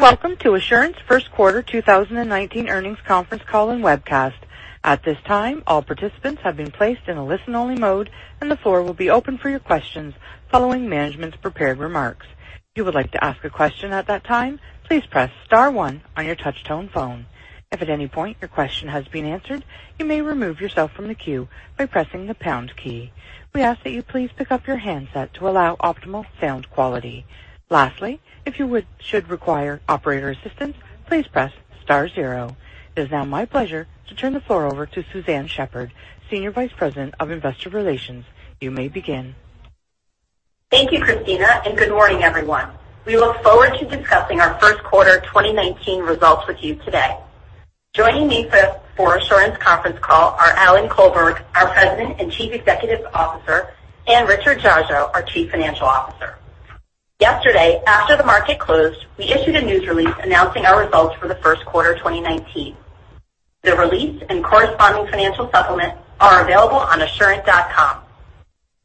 Welcome to Assurant's first quarter 2019 earnings conference call and webcast. At this time, all participants have been placed in a listen-only mode, and the floor will be open for your questions following management's prepared remarks. If you would like to ask a question at that time, please press star one on your touch-tone phone. If at any point your question has been answered, you may remove yourself from the queue by pressing the pound key. We ask that you please pick up your handset to allow optimal sound quality. Lastly, if you should require operator assistance, please press star zero. It is now my pleasure to turn the floor over to Suzanne Shepherd, Senior Vice President of Investor Relations. You may begin. Thank you, Cristina, and good morning, everyone. We look forward to discussing our first quarter 2019 results with you today. Joining me for Assurant's conference call are Alan Colberg, our President and Chief Executive Officer, and Richard Dziadzio, our Chief Financial Officer. Yesterday, after the market closed, we issued a news release announcing our results for the first quarter 2019. The release and corresponding financial supplement are available on assurant.com.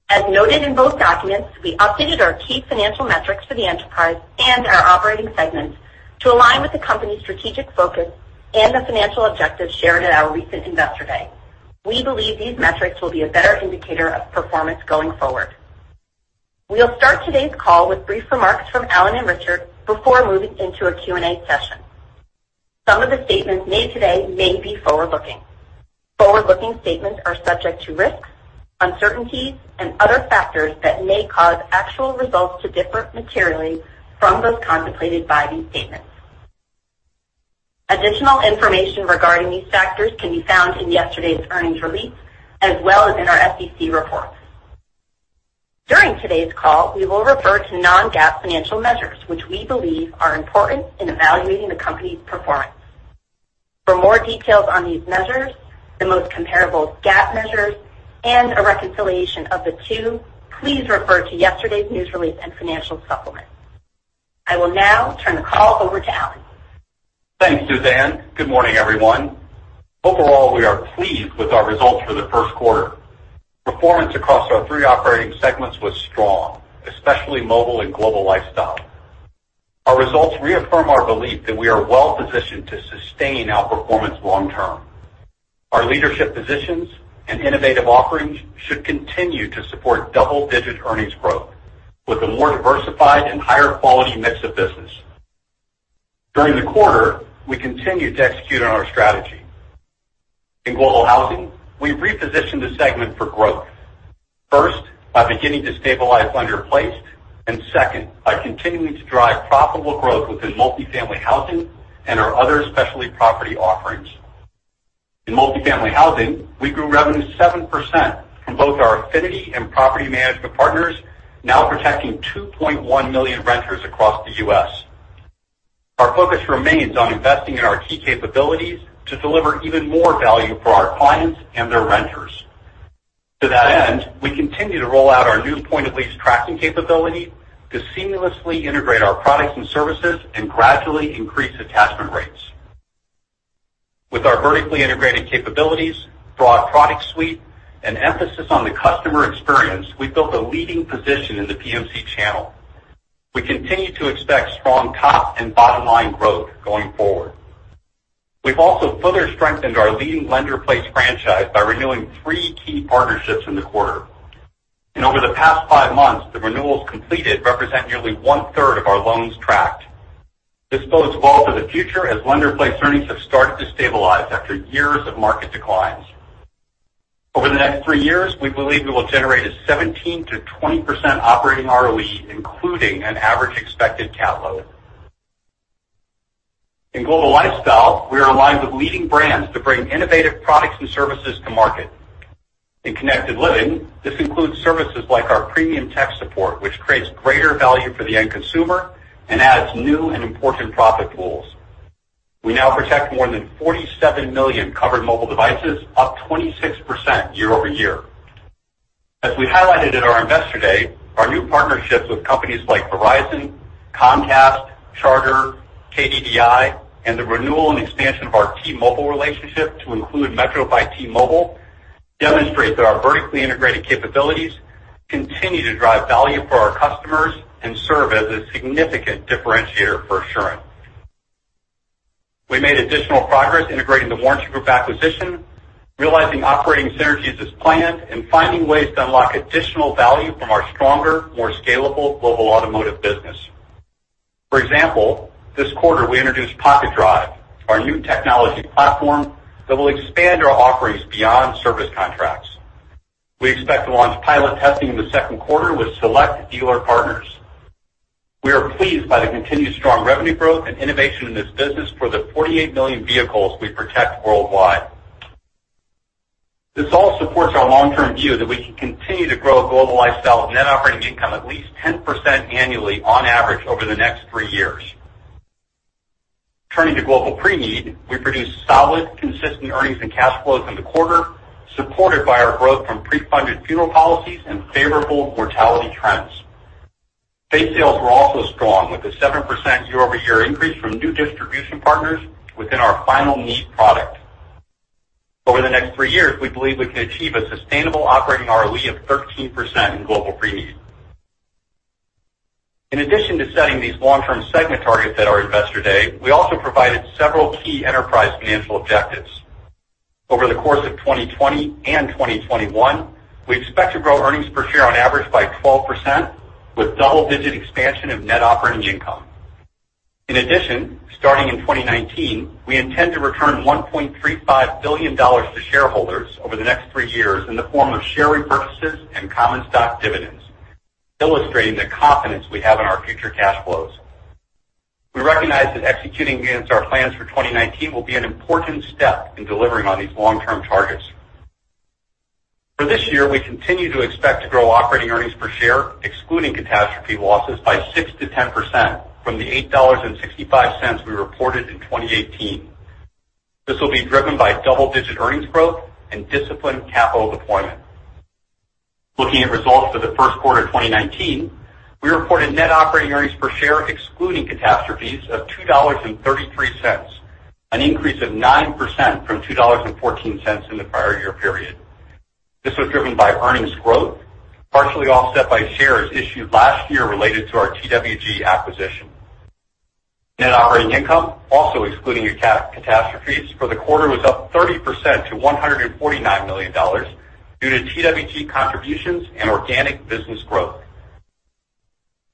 As noted in both documents, we updated our key financial metrics for the enterprise and our operating segments to align with the company's strategic focus and the financial objectives shared at our recent Investor Day. We believe these metrics will be a better indicator of performance going forward. We'll start today's call with brief remarks from Alan and Richard before moving into a Q&A session. Some of the statements made today may be forward-looking. Forward-looking statements are subject to risks, uncertainties, and other factors that may cause actual results to differ materially from those contemplated by these statements. Additional information regarding these factors can be found in yesterday's earnings release, as well as in our SEC reports. During today's call, we will refer to non-GAAP financial measures, which we believe are important in evaluating the company's performance. For more details on these measures, the most comparable GAAP measures, and a reconciliation of the two, please refer to yesterday's news release and financial supplement. I will now turn the call over to Alan. Thanks, Suzanne. Good morning, everyone. Overall, we are pleased with our results for the first quarter. Performance across our three operating segments was strong, especially Mobile and Global Lifestyle. Our results reaffirm our belief that we are well-positioned to sustain outperformance long term. Our leadership positions and innovative offerings should continue to support double-digit earnings growth with a more diversified and higher-quality mix of business. During the quarter, we continued to execute on our strategy. In Global Housing, we repositioned the segment for growth. First, by beginning to stabilize Lender-Placed, and second, by continuing to drive profitable growth within multifamily housing and our other specialty property offerings. In multifamily housing, we grew revenue 7% from both our affinity and property management partners, now protecting 2.1 million renters across the U.S. Our focus remains on investing in our key capabilities to deliver even more value for our clients and their renters. To that end, we continue to roll out our new point-of-lease tracking capability to seamlessly integrate our products and services and gradually increase attachment rates. With our vertically integrated capabilities, broad product suite, and emphasis on the customer experience, we've built a leading position in the PMC channel. We continue to expect strong top and bottom-line growth going forward. We've also further strengthened our leading Lender-Placed franchise by renewing three key partnerships in the quarter. Over the past five months, the renewals completed represent nearly one-third of our loans tracked. This bodes well for the future as Lender-Placed earnings have started to stabilize after years of market declines. Over the next three years, we believe we will generate a 17%-20% operating ROE, including an average expected cat load. In Global Lifestyle, we are aligned with leading brands to bring innovative products and services to market. In Connected Living, this includes services like our premium tech support, which creates greater value for the end consumer and adds new and important profit pools. We now protect more than 47 million covered mobile devices, up 26% year-over-year. As we highlighted at our Investor Day, our new partnerships with companies like Verizon, Comcast, Charter, KDDI, and the renewal and expansion of our T-Mobile relationship to include Metro by T-Mobile demonstrate that our vertically integrated capabilities continue to drive value for our customers and serve as a significant differentiator for Assurant. We made additional progress integrating The Warranty Group acquisition, realizing operating synergies as planned, and finding ways to unlock additional value from our stronger, more scalable Global Automotive business. For example, this quarter, we introduced Pocket Drive, our new technology platform that will expand our offerings beyond service contracts. We expect to launch pilot testing in the second quarter with select dealer partners. We are pleased by the continued strong revenue growth and innovation in this business for the 48 million vehicles we protect worldwide. This all supports our long-term view that we can continue to grow Global Lifestyle net operating income at least 10% annually on average over the next three years. Turning to Global Preneed, we produced solid, consistent earnings and cash flows in the quarter, supported by our growth from pre-funded funeral policies and favorable mortality trends. Base sales were also strong, with a 7% year-over-year increase from new distribution partners within our final need product. Over the next three years, we believe we can achieve a sustainable operating ROE of 13% in Global Preneed. In addition to setting these long-term segment targets at our Investor Day, we also provided several key enterprise financial objectives. Over the course of 2020 and 2021, we expect to grow earnings per share on average by 12%, with double-digit expansion of net operating income. In addition, starting in 2019, we intend to return $1.35 billion to shareholders over the next three years in the form of share repurchases and common stock dividends, illustrating the confidence we have in our future cash flows. We recognize that executing against our plans for 2019 will be an important step in delivering on these long-term targets. For this year, we continue to expect to grow operating earnings per share, excluding catastrophe losses, by 6%-10% from the $8.65 we reported in 2018. This will be driven by double-digit earnings growth and disciplined capital deployment. Looking at results for the first quarter of 2019, we reported net operating earnings per share, excluding catastrophes, of $2.33, an increase of 9% from $2.14 in the prior year period. This was driven by earnings growth, partially offset by shares issued last year related to our TWG acquisition. Net operating income, also excluding catastrophes, for the quarter was up 30% to $149 million due to TWG contributions and organic business growth.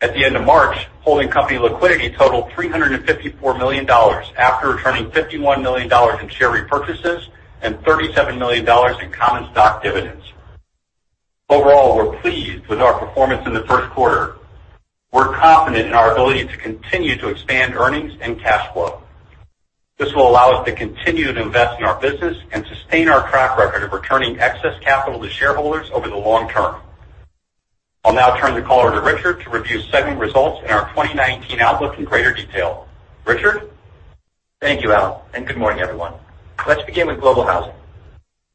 At the end of March, holding company liquidity totaled $354 million, after returning $51 million in share repurchases and $37 million in common stock dividends. Overall, we're pleased with our performance in the first quarter. We're confident in our ability to continue to expand earnings and cash flow. This will allow us to continue to invest in our business and sustain our track record of returning excess capital to shareholders over the long term. I'll now turn the call over to Richard to review segment results and our 2019 outlook in greater detail. Richard? Thank you, Al, and good morning, everyone. Let's begin with Global Housing.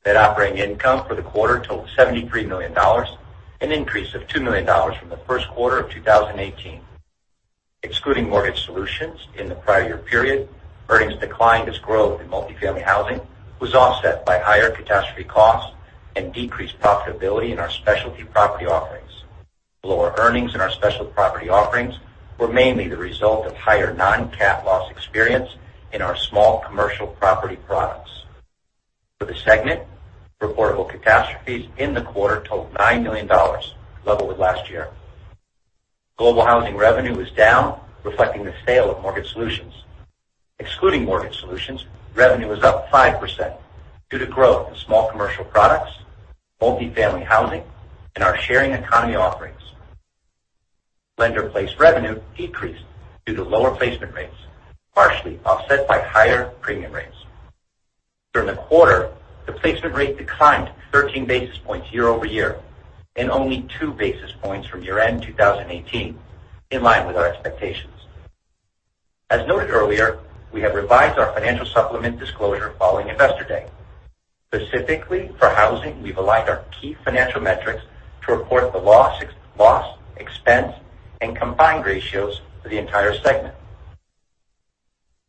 Net operating income for the quarter totaled $73 million, an increase of $2 million from the first quarter of 2018. Excluding Mortgage Solutions in the prior year period, earnings declined as growth in multi-family housing was offset by higher catastrophe costs and decreased profitability in our specialty property offerings. Lower earnings in our special property offerings were mainly the result of higher non-cat loss experience in our small commercial property products. For the segment, reportable catastrophes in the quarter totaled $9 million, level with last year. Global Housing revenue was down, reflecting the sale of Mortgage Solutions. Excluding Mortgage Solutions, revenue was up 5% due to growth in small commercial products, multi-family housing, and our sharing economy offerings. Lender-Placed revenue decreased due to lower placement rates, partially offset by higher premium rates. During the quarter, the placement rate declined 13 basis points year-over-year and only two basis points from year-end 2018, in line with our expectations. As noted earlier, we have revised our financial supplement disclosure following Investor Day. Specifically for Global Housing, we've aligned our key financial metrics to report the loss, expense, and combined ratios for the entire segment.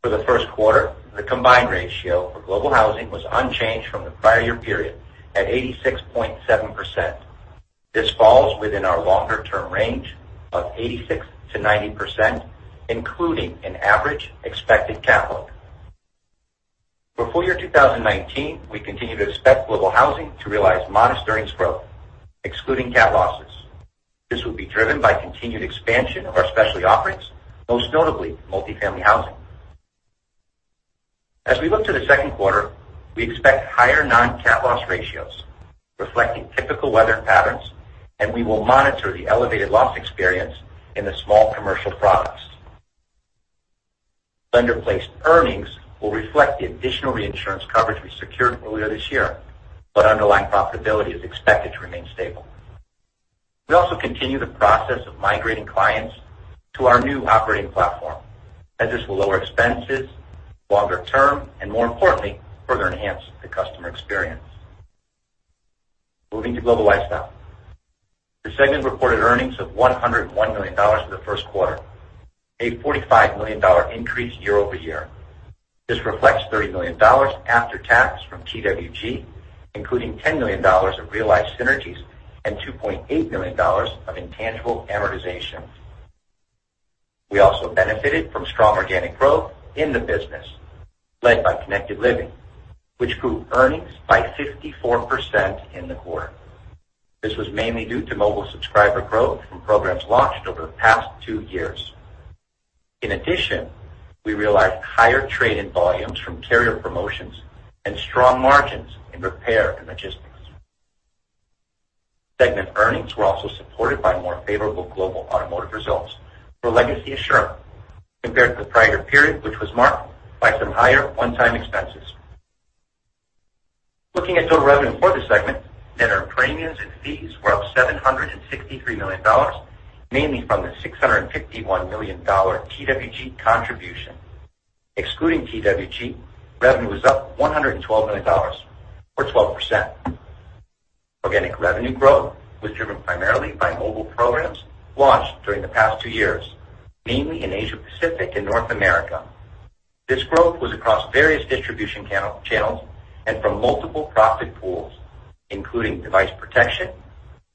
For the first quarter, the combined ratio for Global Housing was unchanged from the prior year period at 86.7%. This falls within our longer-term range of 86%-90%, including an average expected cat load. For full year 2019, we continue to expect Global Housing to realize modest earnings growth, excluding cat losses. This will be driven by continued expansion of our specialty offerings, most notably multi-family housing. As we look to the second quarter, we expect higher non-cat loss ratios reflecting typical weather patterns. We will monitor the elevated loss experience in the small commercial products. Lender-Placed earnings will reflect the additional reinsurance coverage we secured earlier this year. Underlying profitability is expected to remain stable. We also continue the process of migrating clients to our new operating platform, as this will lower expenses longer term and, more importantly, further enhance the customer experience. Moving to Global Lifestyle, the segment reported earnings of $101 million for the first quarter, a $45 million increase year-over-year. This reflects $30 million after tax from TWG, including $10 million of realized synergies and $2.8 million of intangible amortization. We also benefited from strong organic growth in the business led by Connected Living, which grew earnings by 54% in the quarter. This was mainly due to mobile subscriber growth from programs launched over the past two years. In addition, we realized higher trade-in volumes from carrier promotions and strong margins in repair and logistics. Segment earnings were also supported by more favorable Global Automotive results for legacy Assurant compared to the prior period, which was marked by some higher one-time expenses. Looking at total revenue for the segment, net earned premiums and fees were up $763 million, mainly from the $651 million TWG contribution. Excluding TWG, revenue was up $112 million or 12%. Organic revenue growth was driven primarily by mobile programs launched during the past two years, mainly in Asia Pacific and North America. This growth was across various distribution channels and from multiple profit pools, including device protection,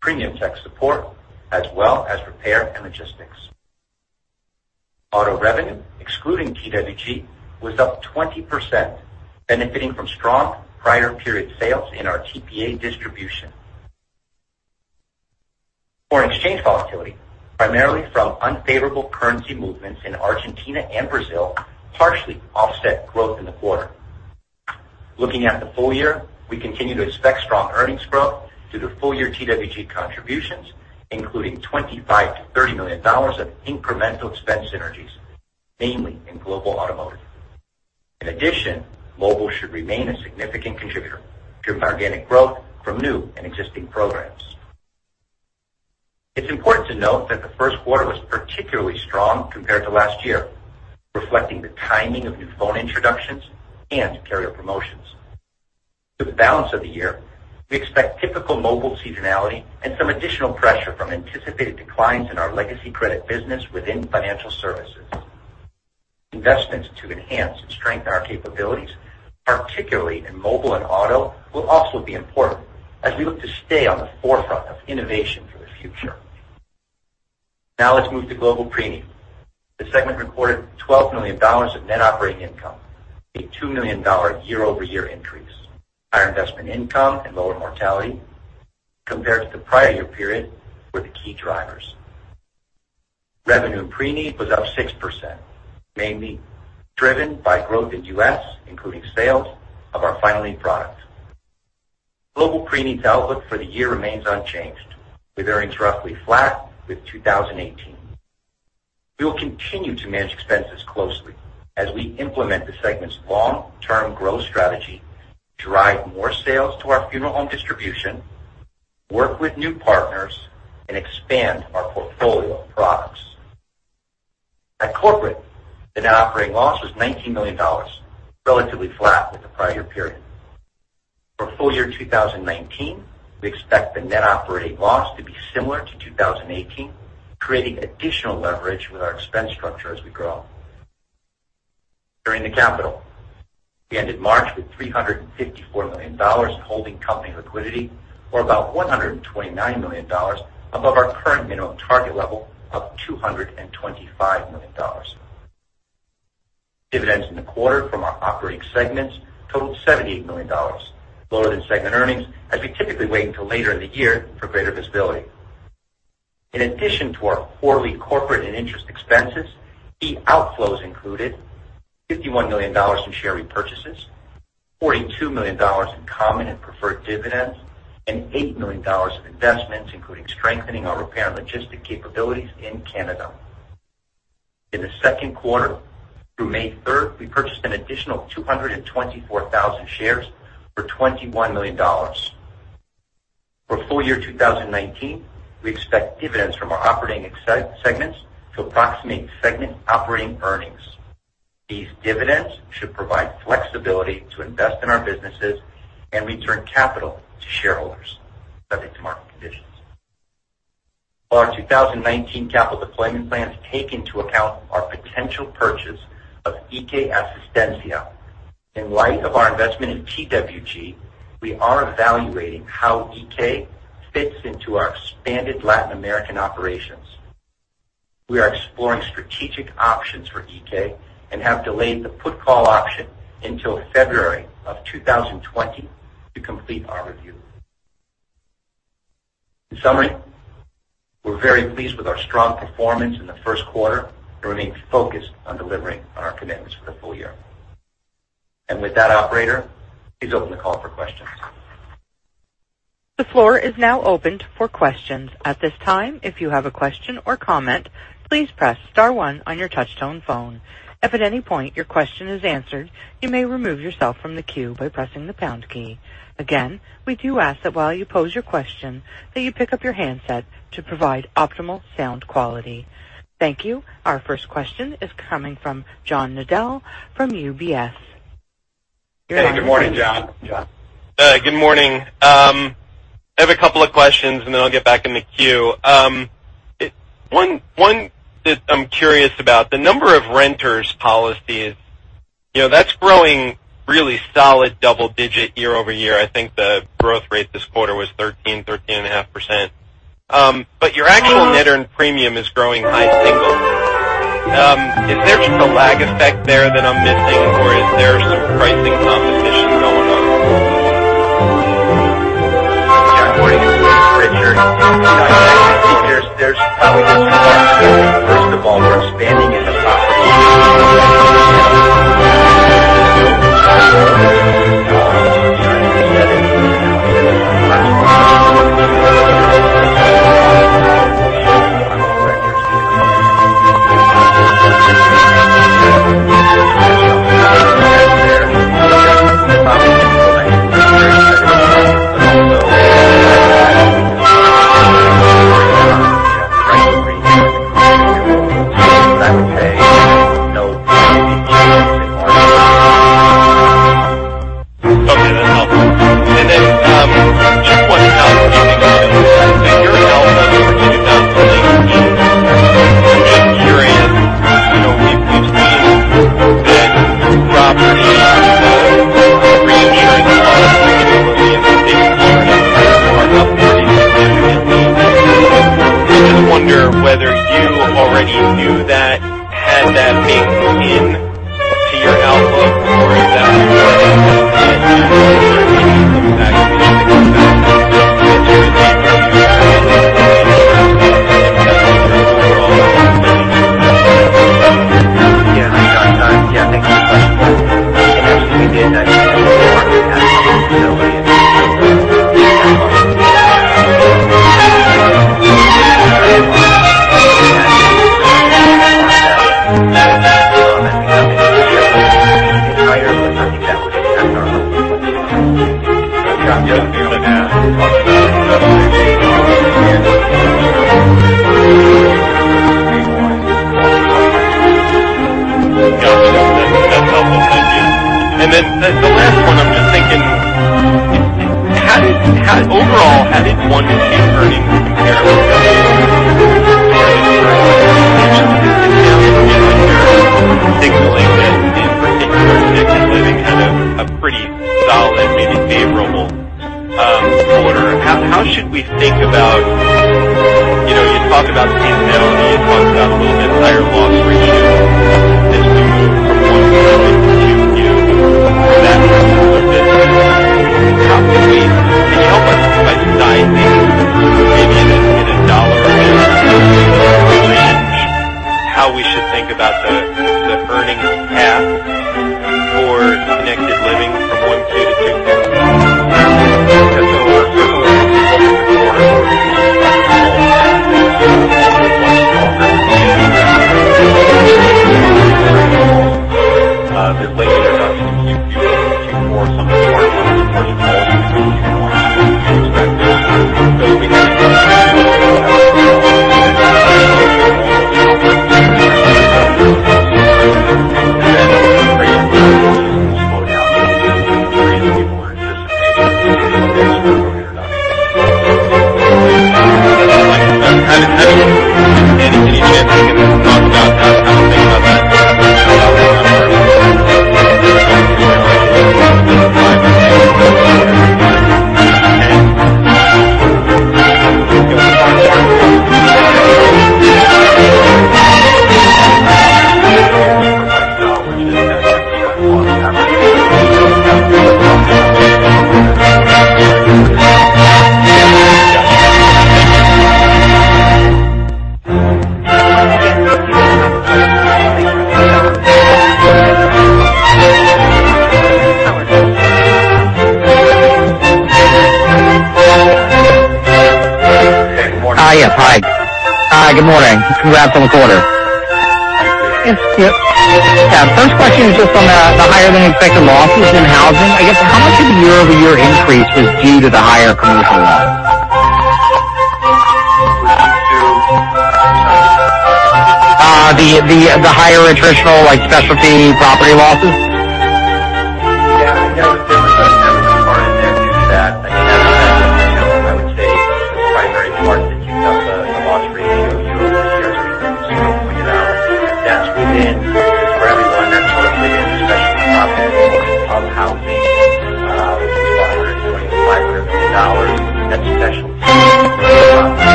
premium tech support, as well as repair and logistics. Auto revenue, excluding TWG, was up 20%, benefiting from strong prior period sales in our TPA distribution. Foreign exchange volatility, primarily from unfavorable currency movements in Argentina and Brazil, partially offset growth in the quarter. Looking at the full year, we continue to expect strong earnings growth due to full-year TWG contributions, including $25 million-$30 million of incremental expense synergies, mainly in Global Automotive. In addition, mobile should remain a significant contributor to organic growth from new and existing programs. It's important to note that the first quarter was particularly strong compared to last year, reflecting the timing of new phone introductions and carrier promotions. Through the balance of the year, we expect typical mobile seasonality and some additional pressure from anticipated declines in our legacy credit business within financial services. Investments to enhance and strengthen our capabilities, particularly in mobile and auto, will also be important as we look to stay on the forefront of innovation for the future. Let's move to Global Preneed. The segment reported $12 million of net operating income, a $2 million year-over-year increase. Higher investment income and lower mortality compared to the prior year period were the key drivers. Revenue in Preneed was up 6%, mainly driven by growth in U.S., including sales of our final need product. Global Preneed's outlook for the year remains unchanged, with earnings roughly flat with 2018. We will continue to manage expenses closely as we implement the segment's long-term growth strategy, drive more sales to our funeral home distribution, work with new partners, and expand our portfolio of products. At corporate, the net operating loss was $19 million, relatively flat with the prior period. For full year 2019, we expect the net operating loss to be similar to 2018, creating additional leverage with our expense structure as we grow. Turning to capital. We ended March with $354 million in holding company liquidity, or about $129 million above our current minimum target level of $225 million. Dividends in the quarter from our operating segments totaled $78 million, lower than segment earnings, as we typically wait until later in the year for greater visibility. In addition to our quarterly corporate and interest expenses, key outflows included $51 million in share repurchases, $42 million in common and preferred dividends, and $8 million in investments, including strengthening our repair and logistics capabilities in Canada. In the second quarter, through May 3rd, we purchased an additional 224,000 shares for $21 million. For full year 2019, we expect dividends from our operating segments to approximate segment operating earnings. These dividends should provide flexibility to invest in our businesses and return capital to shareholders, subject to market conditions. Our 2019 capital deployment plans take into account our potential purchase of Iké Asistencia. In light of our investment in TWG, we are evaluating how Iké fits into our expanded Latin American operations. We are exploring strategic options for Iké and have delayed the put call option until February of 2020 to complete our review. In summary, we're very pleased with our strong performance in the first quarter and remain focused on delivering on our commitments for the full year. With that, operator, please open the call for questions. The floor is now opened for questions. At this time, if you have a question or comment, please press *1 on your touch-tone phone. If at any point your question is answered, you may remove yourself from the queue by pressing the # key. Again, we do ask that while you pose your question, that you pick up your handset to provide optimal sound quality. Thank you. Our first question is coming from John Nadel from UBS. Hey, good morning, John. Your line is open, John. Good morning. I have a couple of questions, and then I'll get back in the queue. One that I'm curious about, the number of renters policies, that's growing really solid double-digit year-over-year. I think the growth rate this quarter was 13%, 13.5%. Your actual net earned premium is growing high singles. Is there just a lag effect there that I'm missing or is there some pricing competition going on? John, morning. This is Richard. I think there's probably a few factors. First of all, we're expanding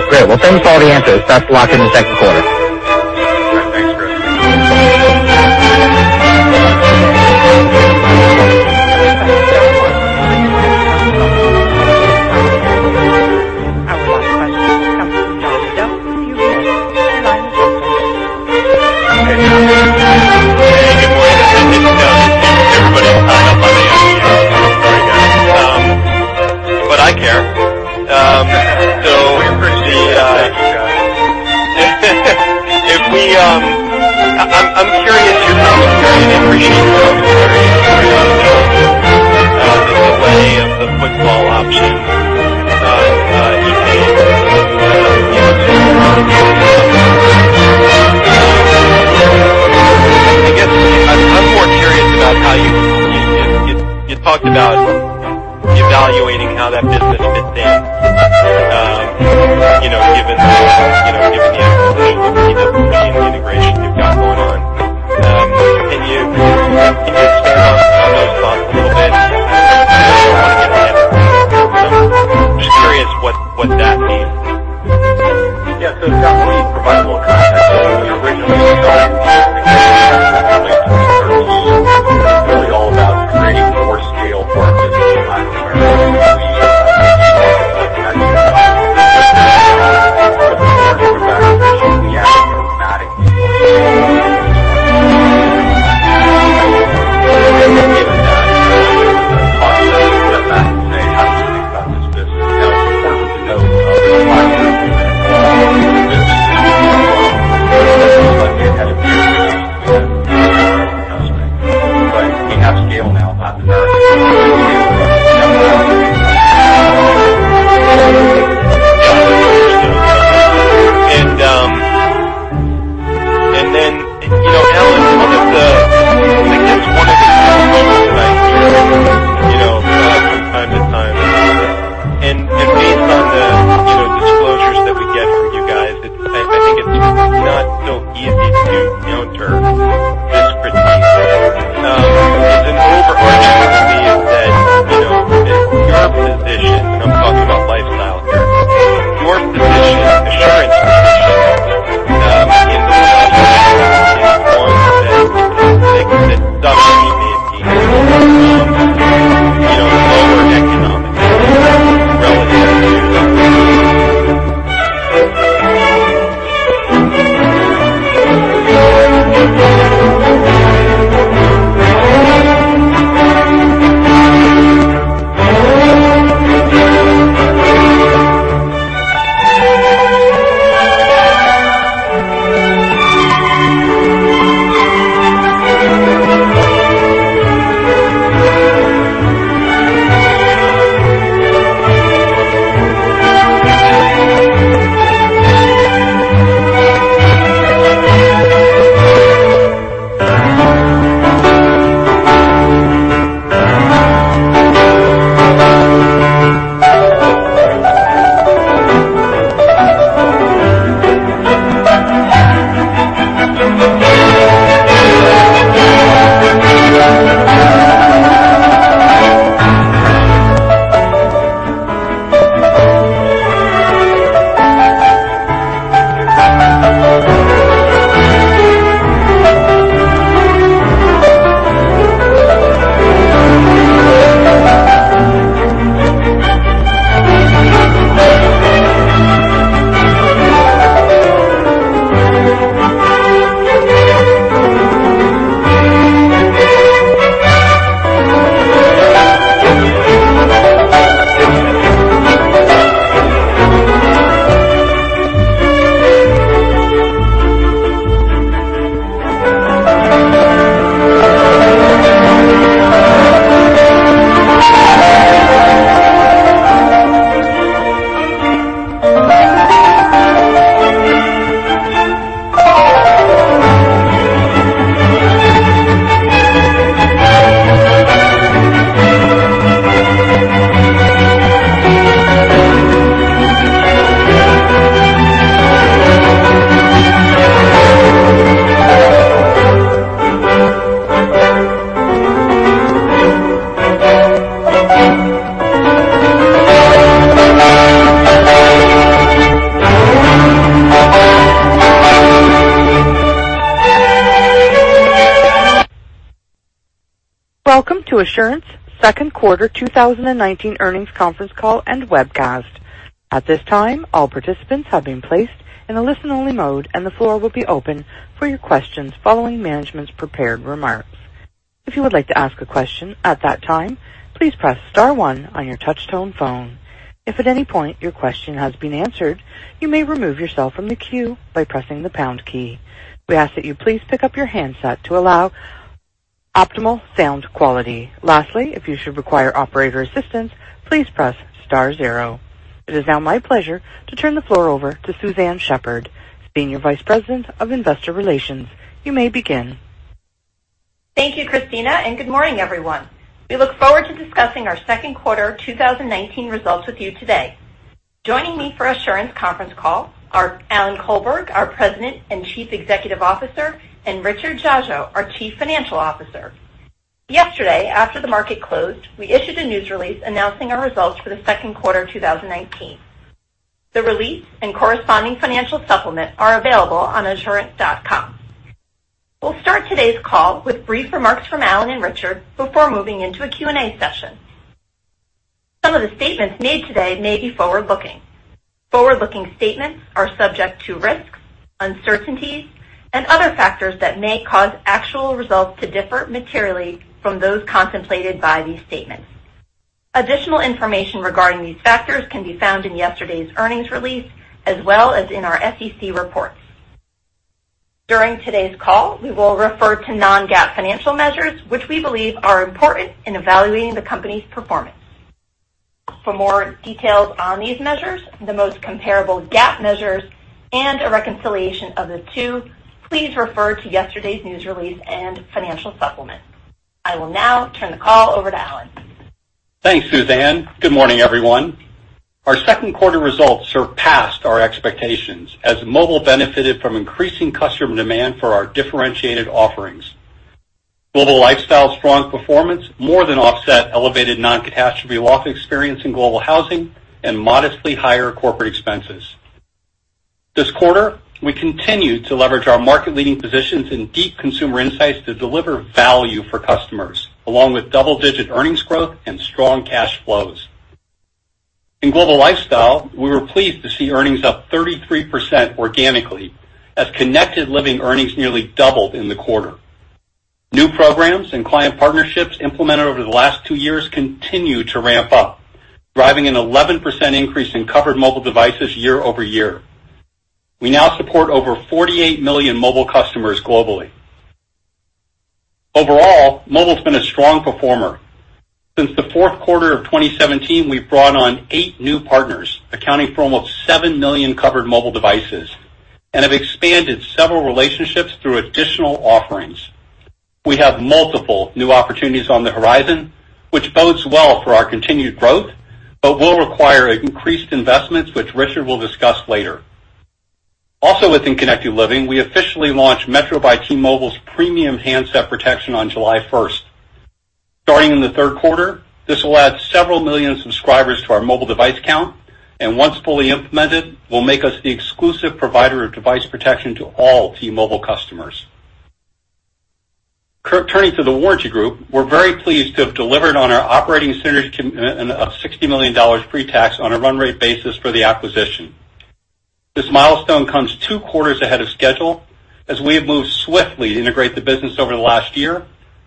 great. Well, thanks for all the answers. Best of luck in the second quarter. All right. Thanks, Chris. Our line funding comes from John Nadel with UBS, line is open. Hey, John. Hey, good morning. This is Scott. Everybody is probably up on the earnings call already, but I care. I appreciate you guys. I'm curious your commentary and appreciate your commentary around the selling of the football option, e-pay, and some of the other businesses. I'm more curious about how you talked about evaluating how that business fits in given the integration you've got going on. Can you quarter 2019 earnings conference call and webcast. At this time, all participants have been placed in a listen-only mode, and the floor will be open for your questions following management's prepared remarks. If you would like to ask a question at that time, please press star one on your touch-tone phone. If at any point your question has been answered, you may remove yourself from the queue by pressing the pound key. We ask that you please pick up your handset to allow optimal sound quality. Lastly, if you should require operator assistance, please press star zero. It is now my pleasure to turn the floor over to Suzanne Shepherd, Senior Vice President of Investor Relations. You may begin. Thank you, Cristina. Good morning, everyone. We look forward to discussing our second quarter 2019 results with you today. Joining me for Assurant conference call are Alan Colberg, our President and Chief Executive Officer, and Richard Dziadzio, our Chief Financial Officer. Yesterday, after the market closed, we issued a news release announcing our results for the second quarter 2019. The release and corresponding financial supplement are available on assurant.com. We'll start today's call with brief remarks from Alan and Richard before moving into a Q&A session. Some of the statements made today may be forward-looking. Forward-looking statements are subject to risks, uncertainties, and other factors that may cause actual results to differ materially from those contemplated by these statements. Additional information regarding these factors can be found in yesterday's earnings release, as well as in our SEC reports. During today's call, we will refer to non-GAAP financial measures, which we believe are important in evaluating the company's performance. For more details on these measures, the most comparable GAAP measures, and a reconciliation of the two, please refer to yesterday's news release and financial supplement. I will now turn the call over to Alan. Thanks, Suzanne. Good morning, everyone. Our second quarter results surpassed our expectations as mobile benefited from increasing customer demand for our differentiated offerings. Global Lifestyle's strong performance more than offset elevated non-catastrophe loss experience in Global Housing and modestly higher corporate expenses. This quarter, we continued to leverage our market-leading positions and deep consumer insights to deliver value for customers, along with double-digit earnings growth and strong cash flows. In Global Lifestyle, we were pleased to see earnings up 33% organically as Connected Living earnings nearly doubled in the quarter. New programs and client partnerships implemented over the last two years continue to ramp up, driving an 11% increase in covered mobile devices year-over-year. We now support over 48 million mobile customers globally. Overall, mobile's been a strong performer. Since the fourth quarter of 2017, we've brought on eight new partners, accounting for almost 7 million covered mobile devices, and have expanded several relationships through additional offerings. We have multiple new opportunities on the horizon, which bodes well for our continued growth, but will require increased investments, which Richard will discuss later. Also within Connected Living, we officially launched Metro by T-Mobile's premium handset protection on July 1st. Starting in the third quarter, this will add several million subscribers to our mobile device count, and once fully implemented, will make us the exclusive provider of device protection to all T-Mobile customers. Turning to The Warranty Group, we're very pleased to have delivered on our operating synergies of $60 million pre-tax on a run rate basis for the acquisition. This milestone comes two quarters ahead of schedule as we have moved swiftly to integrate the business over the last year,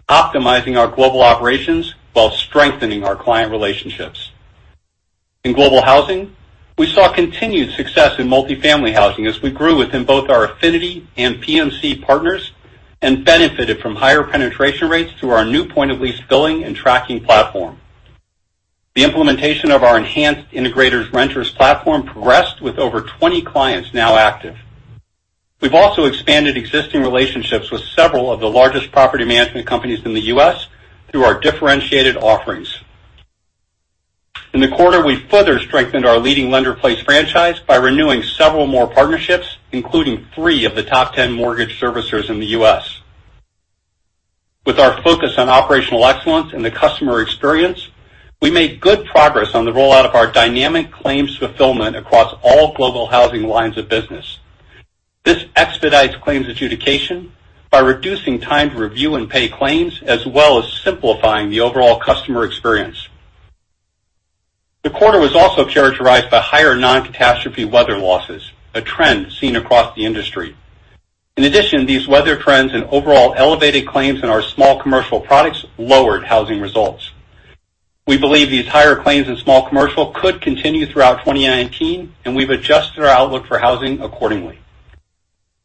optimizing our global operations while strengthening our client relationships. In Global Housing, we saw continued success in multifamily housing as we grew within both our affinity and PMC partners and benefited from higher penetration rates through our new point-of-lease billing and tracking platform. The implementation of our enhanced integrated renters platform progressed with over 20 clients now active. We've also expanded existing relationships with several of the largest property management companies in the U.S. through our differentiated offerings. In the quarter, we further strengthened our leading Lender-Placed franchise by renewing several more partnerships, including three of the top 10 mortgage servicers in the U.S. With our focus on operational excellence and the customer experience, we made good progress on the rollout of our dynamic claims fulfillment across all Global Housing lines of business. This expedites claims adjudication by reducing time to review and pay claims, as well as simplifying the overall customer experience. The quarter was also characterized by higher non-catastrophe weather losses, a trend seen across the industry. These weather trends and overall elevated claims in our small commercial products lowered housing results. We believe these higher claims in small commercial could continue throughout 2019. We've adjusted our outlook for housing accordingly.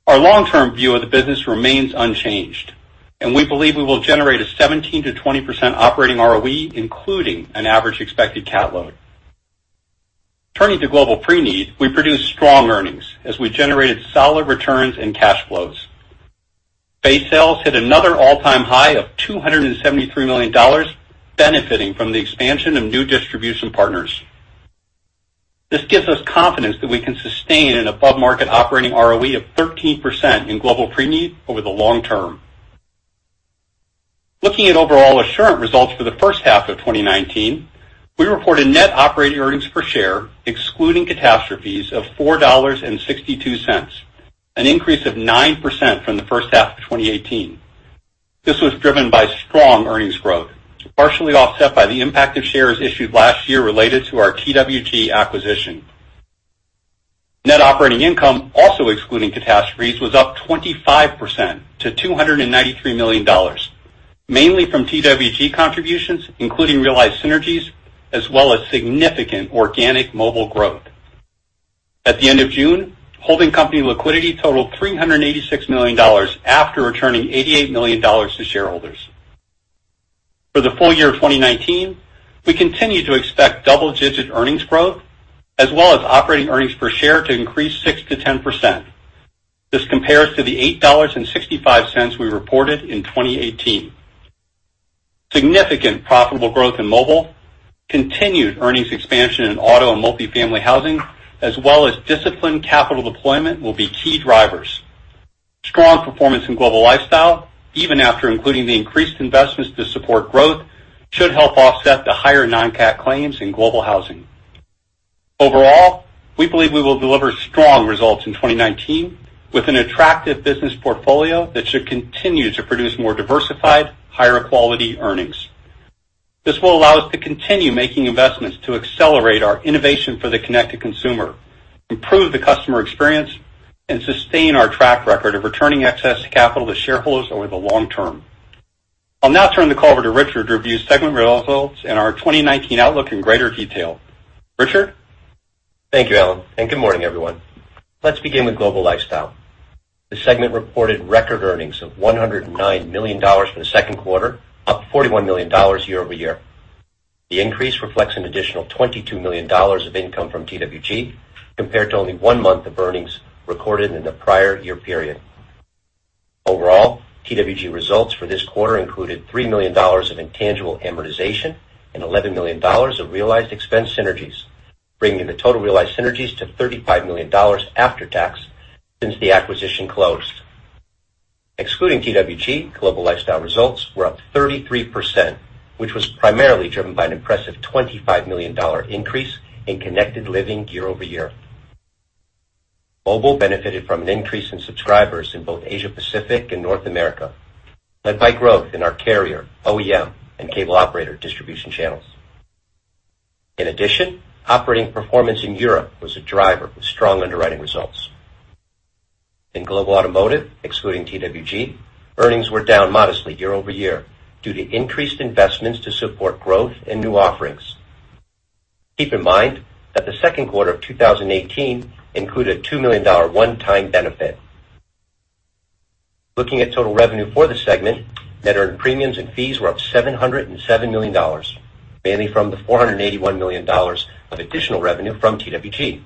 Our long-term view of the business remains unchanged. We believe we will generate a 17%-20% operating ROE, including an average expected cat load. Turning to Global Preneed, we produced strong earnings as we generated solid returns and cash flows. Base sales hit another all-time high of $273 million, benefiting from the expansion of new distribution partners. This gives us confidence that we can sustain an above-market operating ROE of 13% in Global Preneed over the long term. Looking at overall Assurant results for the first half of 2019, we reported net operating earnings per share excluding catastrophes of $4.62, an increase of 9% from the first half of 2018. This was driven by strong earnings growth, partially offset by the impact of shares issued last year related to our TWG acquisition. Net operating income, also excluding catastrophes, was up 25% to $293 million, mainly from TWG contributions, including realized synergies, as well as significant organic mobile growth. At the end of June, holding company liquidity totaled $386 million after returning $88 million to shareholders. For the full year of 2019, we continue to expect double-digit earnings growth, as well as operating earnings per share to increase 6%-10%. This compares to the $8.65 we reported in 2018. Significant profitable growth in mobile, continued earnings expansion in auto and multifamily housing, as well as disciplined capital deployment will be key drivers. Strong performance in Global Lifestyle, even after including the increased investments to support growth, should help offset the higher non-cat claims in Global Housing. Overall, we believe we will deliver strong results in 2019 with an attractive business portfolio that should continue to produce more diversified, higher quality earnings. This will allow us to continue making investments to accelerate our innovation for the connected consumer, improve the customer experience, and sustain our track record of returning excess capital to shareholders over the long term. I'll now turn the call over to Richard to review segment results and our 2019 outlook in greater detail. Richard? Thank you, Alan, and good morning, everyone. Let's begin with Global Lifestyle. The segment reported record earnings of $109 million for the second quarter, up $41 million year-over-year. The increase reflects an additional $22 million of income from TWG, compared to only one month of earnings recorded in the prior year period. Overall, TWG results for this quarter included $3 million of intangible amortization and $11 million of realized expense synergies, bringing the total realized synergies to $35 million after tax since the acquisition closed. Excluding TWG, Global Lifestyle results were up 33%, which was primarily driven by an impressive $25 million increase in Connected Living year-over-year. Mobile benefited from an increase in subscribers in both Asia Pacific and North America, led by growth in our carrier, OEM, and cable operator distribution channels. In addition, operating performance in Europe was a driver with strong underwriting results. In Global Automotive, excluding TWG, earnings were down modestly year-over-year due to increased investments to support growth and new offerings. Keep in mind that the second quarter of 2018 included a $2 million one-time benefit. Looking at total revenue for the segment, net earned premiums and fees were up $707 million, mainly from the $481 million of additional revenue from TWG.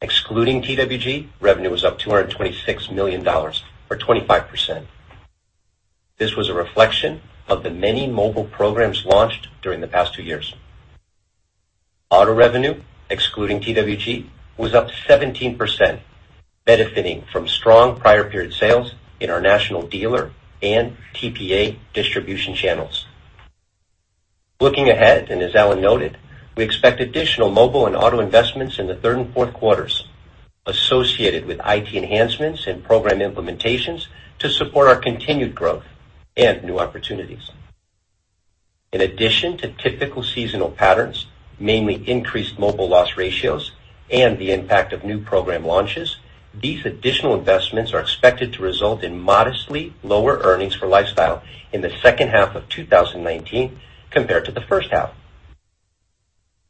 Excluding TWG, revenue was up $226 million or 25%. This was a reflection of the many mobile programs launched during the past two years. Auto revenue, excluding TWG, was up 17%, benefiting from strong prior period sales in our national dealer and TPA distribution channels. Looking ahead, as Alan noted, we expect additional mobile and auto investments in the third and fourth quarters associated with IT enhancements and program implementations to support our continued growth and new opportunities. In addition to typical seasonal patterns, mainly increased mobile loss ratios and the impact of new program launches, these additional investments are expected to result in modestly lower earnings for Lifestyle in the second half of 2019 compared to the first half.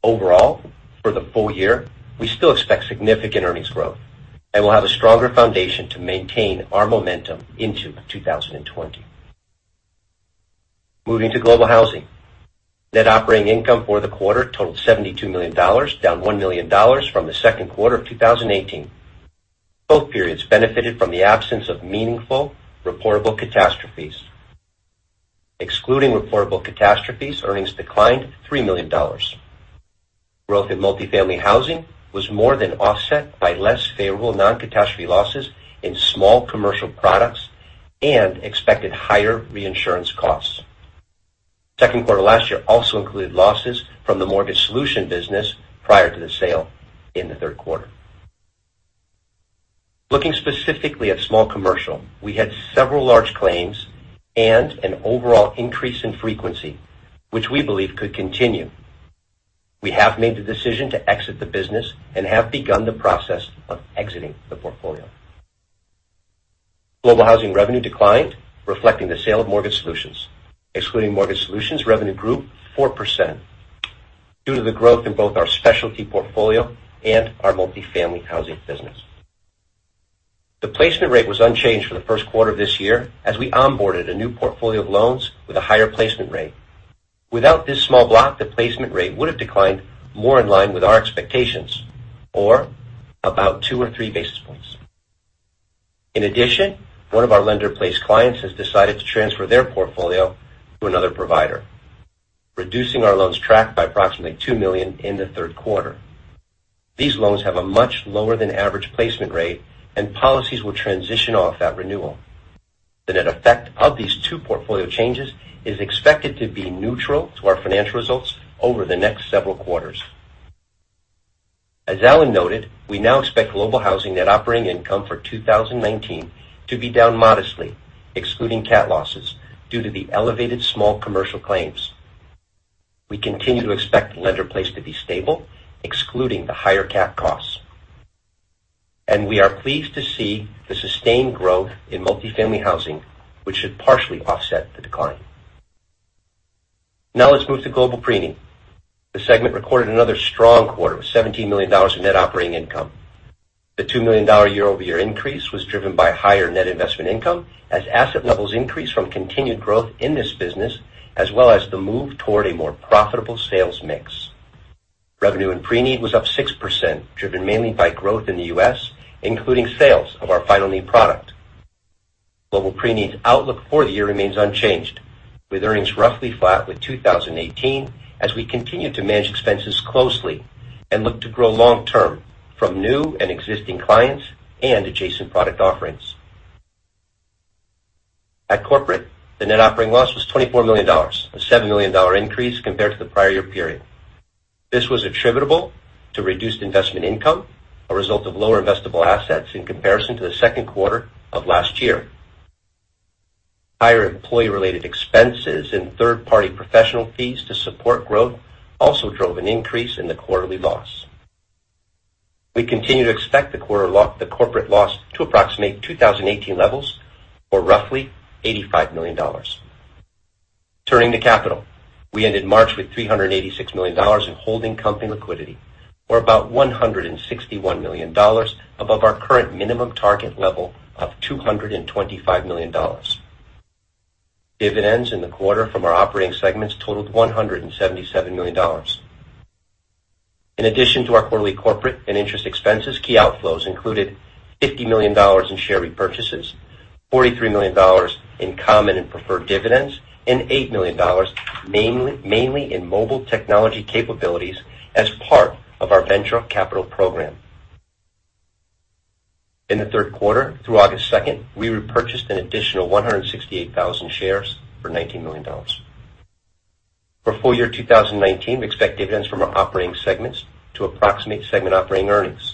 Overall, for the full year, we still expect significant earnings growth and will have a stronger foundation to maintain our momentum into 2020. Moving to Global Housing. Net operating income for the quarter totaled $72 million, down $1 million from the second quarter of 2018. Both periods benefited from the absence of meaningful reportable catastrophes. Excluding reportable catastrophes, earnings declined $3 million. Growth in multifamily housing was more than offset by less favorable non-catastrophe losses in small commercial products and expected higher reinsurance costs. Second quarter last year also included losses from the Mortgage Solutions business prior to the sale in the third quarter. Looking specifically at small commercial, we had several large claims and an overall increase in frequency, which we believe could continue. We have made the decision to exit the business and have begun the process of exiting the portfolio. Global Housing revenue declined, reflecting the sale of Mortgage Solutions. Excluding Mortgage Solutions, revenue grew 4% due to the growth in both our specialty portfolio and our multifamily housing business. The placement rate was unchanged for the first quarter of this year, as we onboarded a new portfolio of loans with a higher placement rate. Without this small block, the placement rate would have declined more in line with our expectations or about two or three basis points. In addition, one of our Lender-Placed clients has decided to transfer their portfolio to another provider, reducing our loans track by approximately $2 million in the third quarter. These loans have a much lower than average placement rate, and policies will transition off that renewal. The net effect of these two portfolio changes is expected to be neutral to our financial results over the next several quarters. As Alan noted, we now expect Global Housing net operating income for 2019 to be down modestly, excluding cat losses, due to the elevated small commercial claims. We continue to expect Lender-Placed to be stable, excluding the higher CAT costs. We are pleased to see the sustained growth in multifamily housing, which should partially offset the decline. Now let's move to Global Preneed. The segment recorded another strong quarter with $17 million of net operating income. The $2 million year-over-year increase was driven by higher net investment income as asset levels increased from continued growth in this business, as well as the move toward a more profitable sales mix. Revenue in Preneed was up 6%, driven mainly by growth in the U.S., including sales of our final need product. Global Preneed's outlook for the year remains unchanged, with earnings roughly flat with 2018 as we continue to manage expenses closely and look to grow long-term from new and existing clients and adjacent product offerings. At Corporate, the net operating loss was $24 million, a $7 million increase compared to the prior year period. This was attributable to reduced investment income, a result of lower investable assets in comparison to the second quarter of last year. Higher employee-related expenses and third-party professional fees to support growth also drove an increase in the quarterly loss. We continue to expect the Corporate loss to approximate 2018 levels or roughly $85 million. Turning to capital, we ended March with $386 million in holding company liquidity, or about $161 million above our current minimum target level of $225 million. Dividends in the quarter from our operating segments totaled $177 million. In addition to our quarterly corporate and interest expenses, key outflows included $50 million in share repurchases, $43 million in common and preferred dividends, and $8 million mainly in mobile technology capabilities as part of our venture capital program. In the third quarter, through August 2nd, we repurchased an additional 168,000 shares for $19 million. For full year 2019, we expect dividends from our operating segments to approximate segment operating earnings.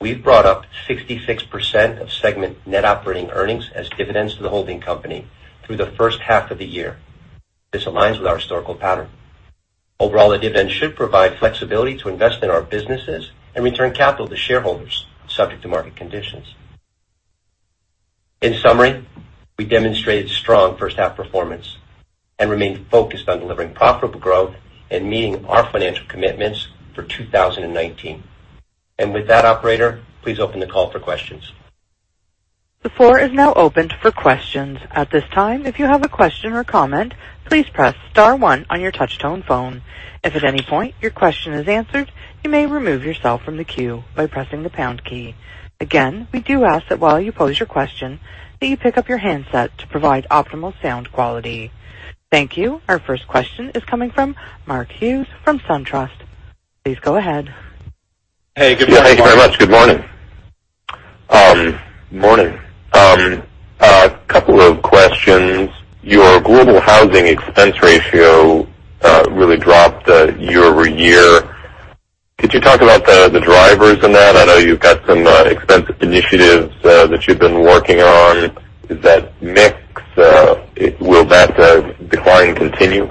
We've brought up 66% of segment net operating earnings as dividends to the holding company through the first half of the year. This aligns with our historical pattern. Overall, the dividend should provide flexibility to invest in our businesses and return capital to shareholders subject to market conditions. In summary, we demonstrated strong first half performance and remain focused on delivering profitable growth and meeting our financial commitments for 2019. With that, operator, please open the call for questions. The floor is now open for questions. At this time, if you have a question or comment, please press *1 on your touch-tone phone. If at any point your question is answered, you may remove yourself from the queue by pressing the # key. Again, we do ask that while you pose your question, that you pick up your handset to provide optimal sound quality. Thank you. Our first question is coming from Mark Hughes from SunTrust. Please go ahead. Hey, good morning. Thank you very much. Good morning. Morning. A couple of questions. Your Global Housing expense ratio really dropped year-over-year. Could you talk about the drivers in that? I know you've got some expensive initiatives that you've been working on. Is that mix, will that decline continue?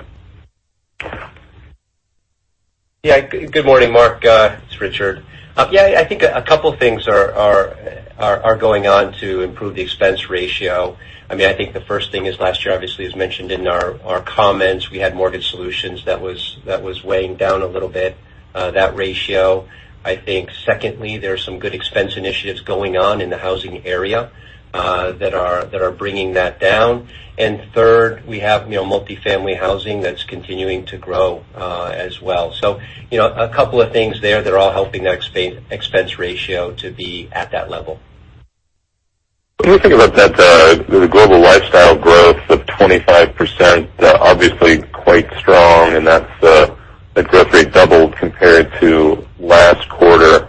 Good morning, Mark. It's Richard. I think a couple things are going on to improve the expense ratio. I think the first thing is last year, obviously, as mentioned in our comments, we had Mortgage Solutions that was weighing down a little bit that ratio. I think secondly, there are some good expense initiatives going on in the housing area that are bringing that down. Third, we have multifamily housing that's continuing to grow as well. A couple of things there that are all helping that expense ratio to be at that level. When we think about that, the Global Lifestyle growth of 25%, obviously quite strong, and that growth rate doubled compared to last quarter.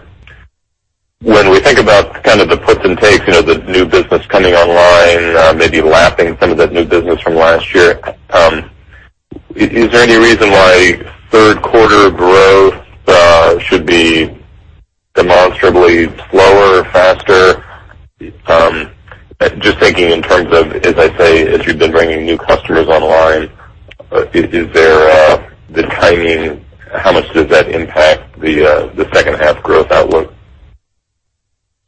When we think about kind of the puts and takes, the new business coming online maybe lapping some of that new business from last year, is there any reason why third quarter growth should be demonstrably slower or faster? Just thinking in terms of, as I say, as you've been bringing new customers online, is there the timing? How much does that impact the second half growth outlook?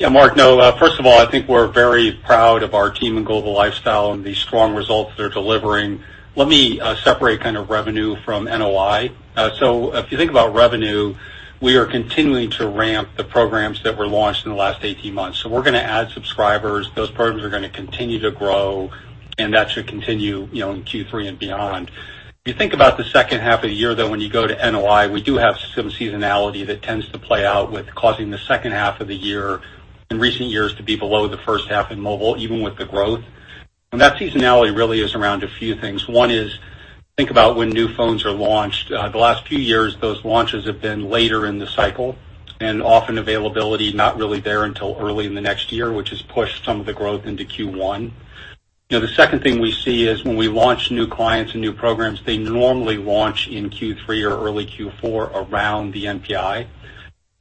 Mark, no. First of all, I think we're very proud of our team in Global Lifestyle and the strong results they're delivering. Let me separate kind of revenue from NOI. If you think about revenue, we are continuing to ramp the programs that were launched in the last 18 months. We're going to add subscribers. Those programs are going to continue to grow, and that should continue in Q3 and beyond. If you think about the second half of the year, though, when you go to NOI, we do have some seasonality that tends to play out with causing the second half of the year in recent years to be below the first half in mobile, even with the growth. That seasonality really is around a few things. One is, think about when new phones are launched. The last few years, those launches have been later in the cycle and often availability not really there until early in the next year, which has pushed some of the growth into Q1. The second thing we see is when we launch new clients and new programs, they normally launch in Q3 or early Q4 around the NPI.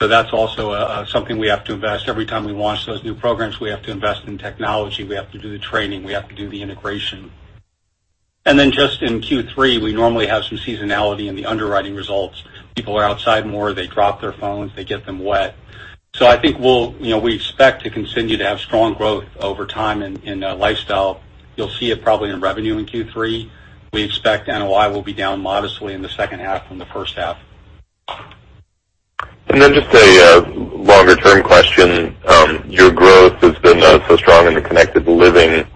That's also something we have to invest. Every time we launch those new programs, we have to invest in technology. We have to do the training. We have to do the integration. Just in Q3, we normally have some seasonality in the underwriting results. People are outside more. They drop their phones. They get them wet. I think we expect to continue to have strong growth over time in Lifestyle. You'll see it probably in revenue in Q3. We expect NOI will be down modestly in the second half from the first half. Just a longer-term question. Your growth has been so strong in the Connected Living.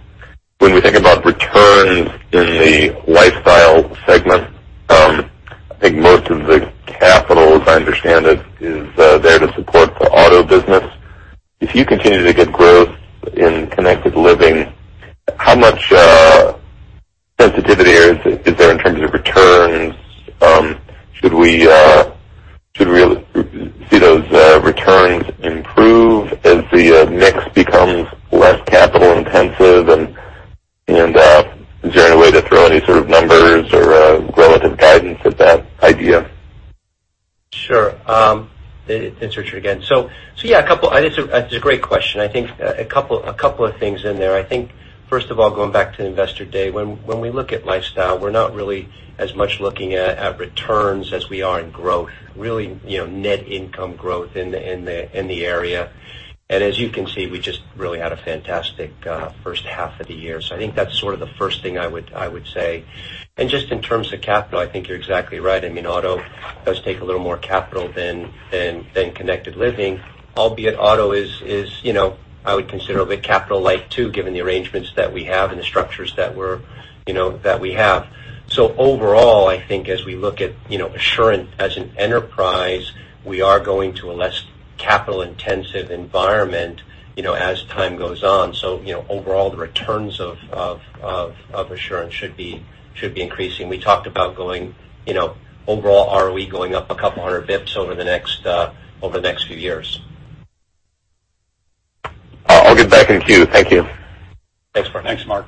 We think about returns in the Lifestyle segment, I think most of the capital, as I understand it, is there to support the auto business. If you continue to get growth in Connected Living, how much sensitivity is there in terms of returns? Should we see those returns improve as the mix becomes less capital intensive, is there any way to throw any sort of numbers or relative guidance at that idea? Sure. Thanks, Richard, again. Yes, it's a great question. I think a couple of things in there. I think, first of all, going back to Investor Day, when we look at Lifestyle, we're not really as much looking at returns as we are in growth, really net income growth in the area. As you can see, we just really had a fantastic first half of the year. I think that's sort of the first thing I would say. Just in terms of capital, I think you're exactly right. Auto does take a little more capital than Connected Living, albeit Auto is, I would consider, a bit capital light, too, given the arrangements that we have and the structures that we have. Overall, I think as we look at Assurant as an enterprise, we are going to a less capital-intensive environment as time goes on. Overall, the returns of Assurant should be increasing. We talked about overall ROE going up a couple hundred basis points over the next few years. I'll get back in queue. Thank you. Thanks. Thanks, Mark.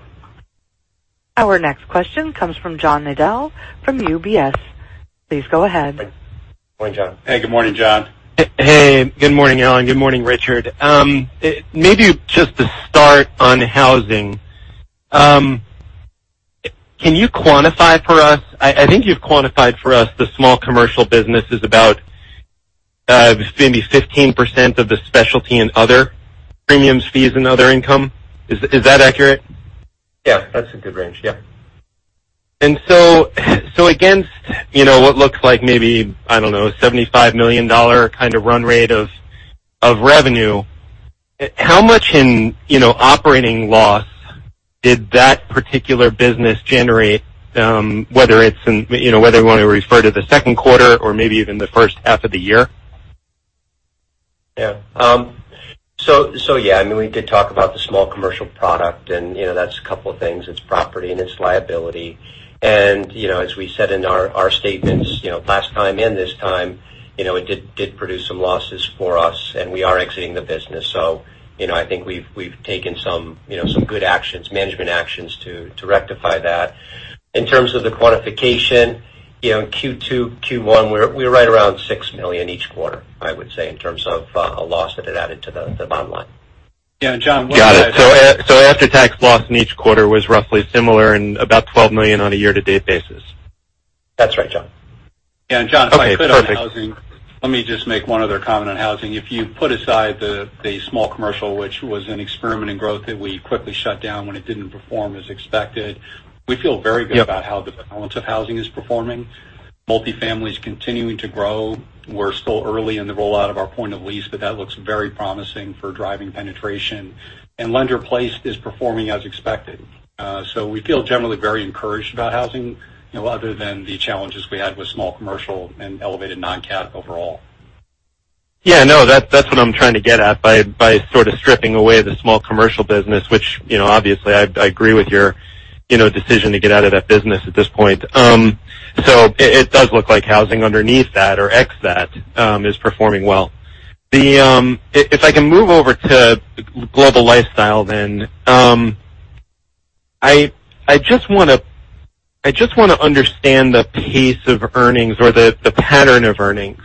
Our next question comes from John Nadel from UBS. Please go ahead. Good morning, John. Hey, good morning, John. Hey, good morning, Alan. Good morning, Richard. Maybe just to start on Housing. Can you quantify for us, I think you've quantified for us the small commercial business is about maybe 15% of the specialty and other premiums, fees and other income. Is that accurate? Yeah, that's a good range. Yeah. Against what looks like maybe, I don't know, $75 million kind of run rate of revenue, how much in operating loss did that particular business generate, whether you want to refer to the second quarter or maybe even the first half of the year? Yeah. Yeah, we did talk about the small commercial product, and that's a couple of things. It's property and it's liability. As we said in our statements last time, in this time, it did produce some losses for us, and we are exiting the business. I think we've taken some good actions, management actions to rectify that. In terms of the quantification, in Q2, Q1, we're right around $6 million each quarter, I would say, in terms of a loss that it added to the bottom line. Yeah, John. Got it. After-tax loss in each quarter was roughly similar and about $12 million on a year-to-date basis. That's right, John. Okay, perfect. Yeah. John, if I could, on housing, let me just make one other comment on housing. If you put aside the small commercial, which was an experiment in growth that we quickly shut down when it didn't perform as expected, we feel very good. Yeah about how the balance of housing is performing. Multifamily is continuing to grow. We're still early in the rollout of our point of lease, but that looks very promising for driving penetration. Lender-Placed is performing as expected. We feel generally very encouraged about housing, other than the challenges we had with small commercial and elevated non-GAAP overall. Yeah, no. That's what I'm trying to get at by sort of stripping away the small commercial business, which obviously I agree with your decision to get out of that business at this point. It does look like housing underneath that or ex that is performing well. If I can move over to Global Lifestyle, then. I just want to understand the pace of earnings or the pattern of earnings.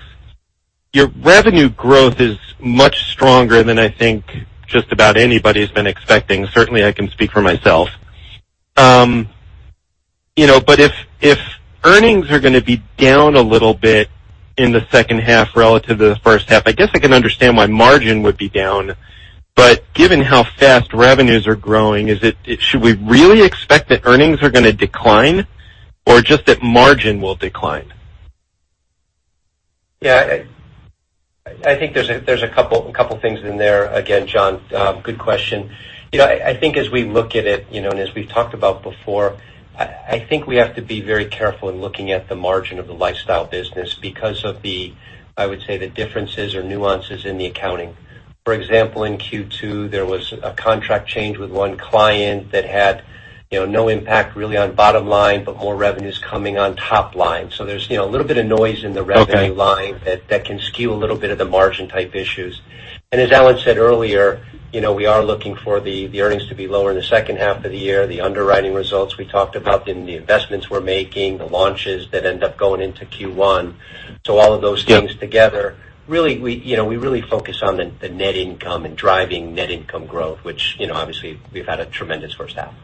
Your revenue growth is much stronger than I think just about anybody's been expecting. Certainly, I can speak for myself. If earnings are going to be down a little bit in the second half relative to the first half, I guess I can understand why margin would be down. Given how fast revenues are growing, should we really expect that earnings are going to decline or just that margin will decline? I think there's a couple things in there. Again, John, good question. I think as we look at it, and as we've talked about before, I think we have to be very careful in looking at the margin of the Lifestyle business because of the, I would say, the differences or nuances in the accounting. For example, in Q2, there was a contract change with one client that had no impact really on bottom line, but more revenues coming on top line. There's a little bit of noise in the revenue line. Okay that can skew a little bit of the margin type issues. As Alan said earlier, we are looking for the earnings to be lower in the second half of the year. The underwriting results we talked about in the investments we're making, the launches that end up going into Q1. All of those things together. Yeah. We really focus on the net income and driving net income growth, which obviously we've had a tremendous first half.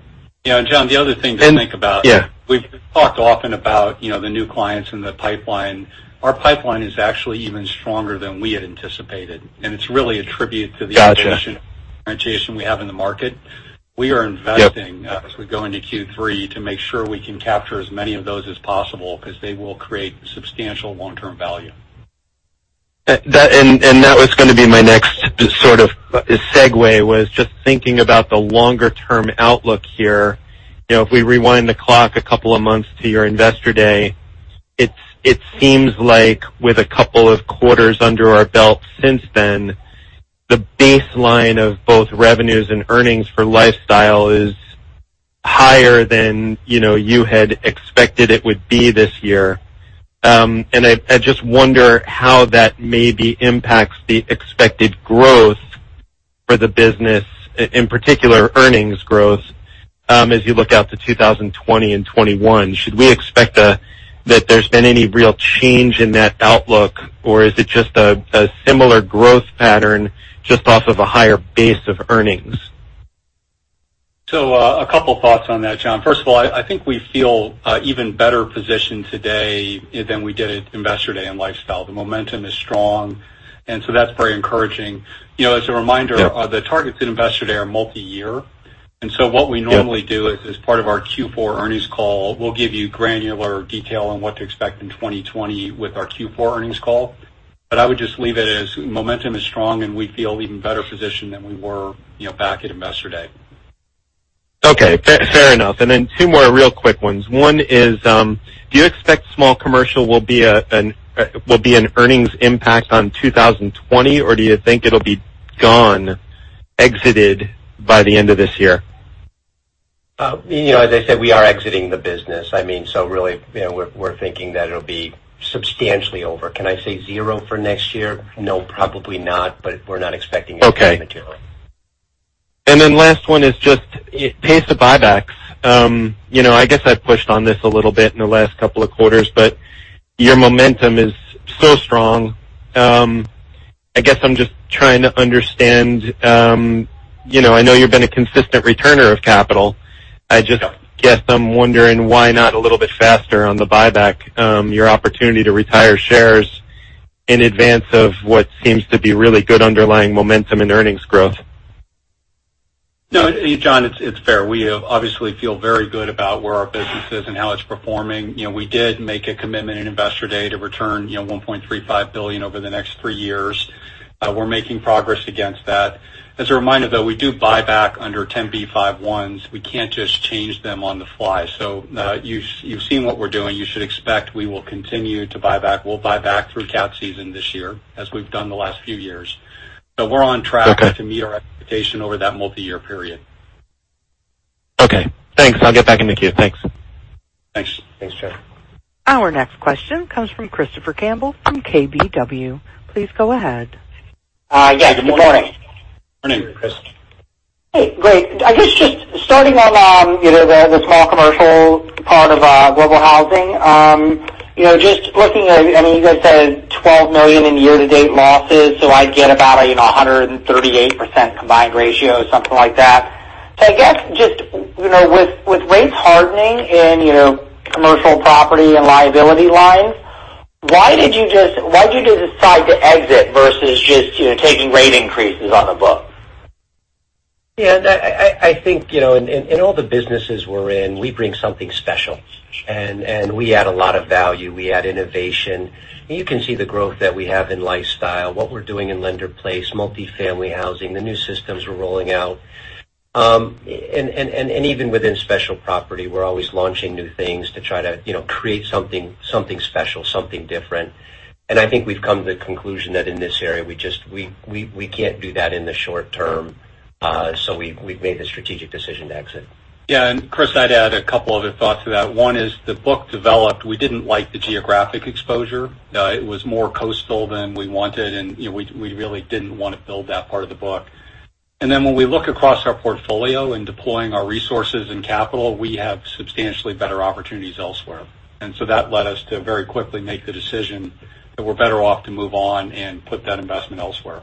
Yeah, John, the other thing to think about. Yeah We've talked often about the new clients in the pipeline. Our pipeline is actually even stronger than we had anticipated, and it's really a tribute to. Got you differentiation we have in the market. We are investing- Yep as we go into Q3 to make sure we can capture as many of those as possible because they will create substantial long-term value. That was going to be my next segue, was just thinking about the longer-term outlook here. If we rewind the clock a couple of months to your Investor Day, it seems like with a couple of quarters under our belt since then, the baseline of both revenues and earnings for Lifestyle is higher than you had expected it would be this year. I just wonder how that maybe impacts the expected growth for the business, in particular, earnings growth as you look out to 2020 and 2021. Should we expect that there's been any real change in that outlook, or is it just a similar growth pattern just off of a higher base of earnings? A couple of thoughts on that, John. First of all, I think we feel even better positioned today than we did at Investor Day in Lifestyle. The momentum is strong, that's very encouraging. Yep the targets at Investor Day are multi-year. What we normally do is, as part of our Q4 earnings call, we'll give you granular detail on what to expect in 2020 with our Q4 earnings call. I would just leave it as momentum is strong and we feel even better positioned than we were back at Investor Day. Okay. Fair enough. Two more real quick ones. One is, do you expect Small Commercial will be an earnings impact on 2020, or do you think it'll be gone, exited by the end of this year? As I said, we are exiting the business. Really, we're thinking that it'll be substantially over. Can I say zero for next year? No, probably not, but we're not expecting anything material. Okay. Last one is just pace of buybacks. I guess I've pushed on this a little bit in the last couple of quarters, but your momentum is so strong. I guess I'm just trying to understand. I know you've been a consistent returner of capital. I just guess I'm wondering why not a little bit faster on the buyback, your opportunity to retire shares in advance of what seems to be really good underlying momentum and earnings growth. No, John, it's fair. We obviously feel very good about where our business is and how it's performing. We did make a commitment at Investor Day to return $1.35 billion over the next three years. We're making progress against that. As a reminder, though, we do buyback under 10b5-1s. We can't just change them on the fly. You've seen what we're doing. You should expect we will continue to buyback. We'll buyback through CAT season this year, as we've done the last few years. We're on track. Okay to meet our expectation over that multi-year period. Okay. Thanks. I'll get back in the queue. Thanks. Thanks. Thanks, John. Our next question comes from Christopher Campbell from KBW. Please go ahead. Yeah. Good morning. Morning. Morning, Chris. Hey, great. I guess just starting on the small commercial part of Global Housing. Just looking at, you guys said $12 million in year-to-date losses, so I'd get about 138% combined ratio, something like that. I guess just with rates hardening in commercial property and liability lines, why did you decide to exit versus just taking rate increases on the book? Yeah, I think, in all the businesses we're in, we bring something special, and we add a lot of value. We add innovation. You can see the growth that we have in Lifestyle, what we're doing in Lender-Placed, multifamily housing, the new systems we're rolling out. Even within special property, we're always launching new things to try to create something special, something different. I think we've come to the conclusion that in this area, we can't do that in the short term. We've made the strategic decision to exit. Yeah. Chris, I'd add a couple other thoughts to that. One is the book developed. We didn't like the geographic exposure. It was more coastal than we wanted, and we really didn't want to build that part of the book. When we look across our portfolio in deploying our resources and capital, we have substantially better opportunities elsewhere. That led us to very quickly make the decision that we're better off to move on and put that investment elsewhere.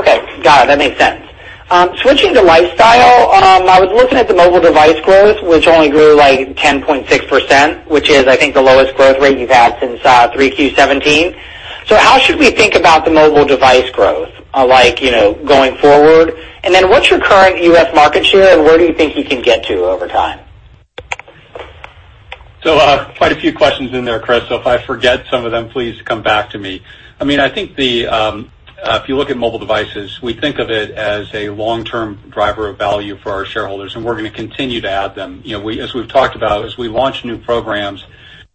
Okay. Got it. That makes sense. Switching to Lifestyle, I was looking at the mobile device growth, which only grew like 10.6%, which is I think the lowest growth rate you've had since 3Q 2017. How should we think about the mobile device growth going forward? What's your current U.S. market share, and where do you think you can get to over time? Quite a few questions in there, Chris. If I forget some of them, please come back to me. I think if you look at mobile devices, we think of it as a long-term driver of value for our shareholders, and we're going to continue to add them. As we've talked about, as we launch new programs,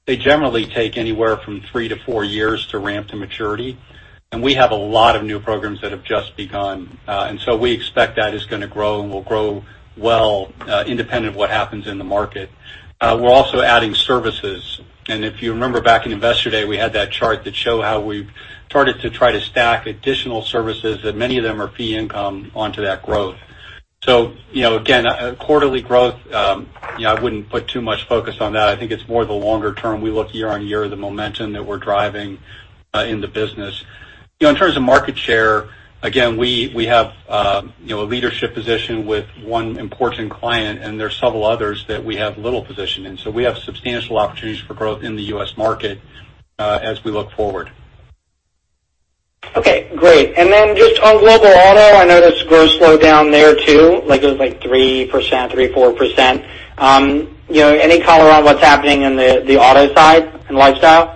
they generally take anywhere from three to four years to ramp to maturity, and we have a lot of new programs that have just begun. We expect that is going to grow and will grow well, independent of what happens in the market. We're also adding services. If you remember back in Investor Day, we had that chart that show how we've started to try to stack additional services, and many of them are fee income onto that growth. Again, quarterly growth, I wouldn't put too much focus on that. I think it's more the longer term. We look year-on-year, the momentum that we're driving in the business. In terms of market share, again, we have a leadership position with one important client, and there are several others that we have little position in. We have substantial opportunities for growth in the U.S. market as we look forward. Okay, great. Just on Global Auto, I noticed growth slowed down there, too. It was like 3%, 3%, 4%. Any color on what's happening in the auto side and Lifestyle?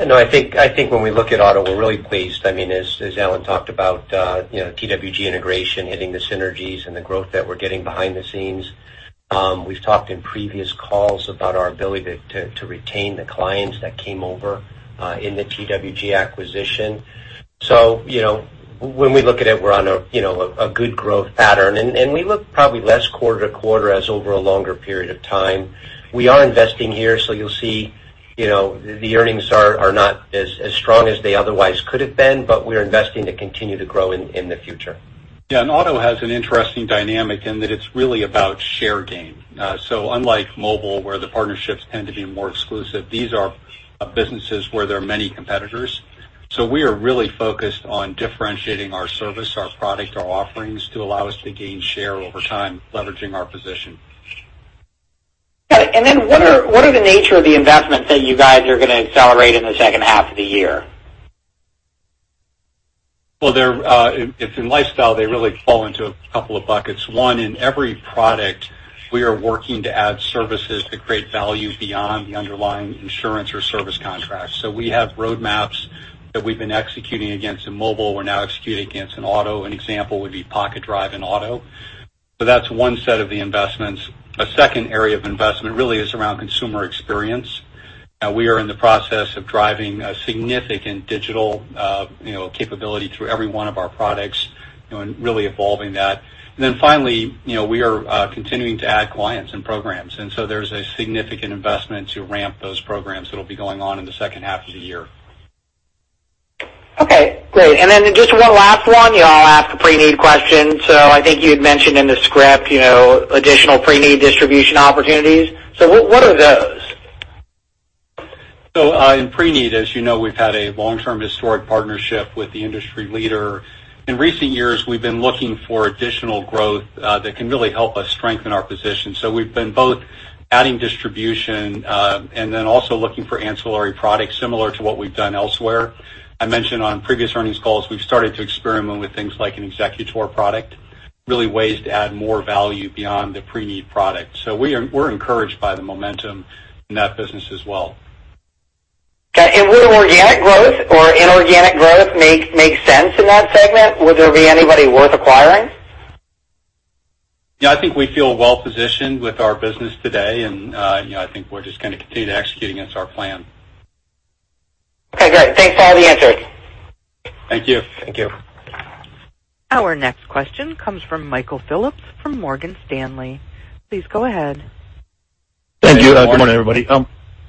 I think when we look at auto, we're really pleased. As Alan talked about, TWG integration hitting the synergies and the growth that we're getting behind the scenes. We've talked in previous calls about our ability to retain the clients that came over in the TWG acquisition. When we look at it, we're on a good growth pattern, and we look probably less quarter to quarter as over a longer period of time. We are investing here, you'll see the earnings are not as strong as they otherwise could have been, we're investing to continue to grow in the future. Yeah. Auto has an interesting dynamic in that it's really about share gain. Unlike mobile, where the partnerships tend to be more exclusive, these are businesses where there are many competitors. We are really focused on differentiating our service, our product, our offerings to allow us to gain share over time, leveraging our position. Got it. Then what are the nature of the investments that you guys are going to accelerate in the second half of the year? If in Lifestyle, they really fall into a couple of buckets. One, in every product, we are working to add services that create value beyond the underlying insurance or service contract. We have roadmaps that we've been executing against in mobile. We're now executing against in auto. An example would be Pocket Drive in auto. That's one set of the investments. A second area of investment really is around consumer experience. We are in the process of driving a significant digital capability through every one of our products and really evolving that. Finally, we are continuing to add clients and programs, and so there's a significant investment to ramp those programs that'll be going on in the second half of the year. Okay, great. Just one last one. I'll ask a pre-need question. I think you had mentioned in the script additional pre-need distribution opportunities. What are those? In Preneed, as you know, we've had a long-term historic partnership with the industry leader. In recent years, we've been looking for additional growth that can really help us strengthen our position. We've been both adding distribution and then also looking for ancillary products similar to what we've done elsewhere. I mentioned on previous earnings calls, we've started to experiment with things like an executor product, really ways to add more value beyond the Preneed product. We're encouraged by the momentum in that business as well. Okay. Would organic growth or inorganic growth make sense in that segment? Would there be anybody worth acquiring? Yeah, I think we feel well-positioned with our business today, and I think we're just going to continue to execute against our plan. Okay, great. Thanks for all the answers. Thank you. Thank you. Our next question comes from Michael Phillips from Morgan Stanley. Please go ahead. Thank you. Good morning, everybody.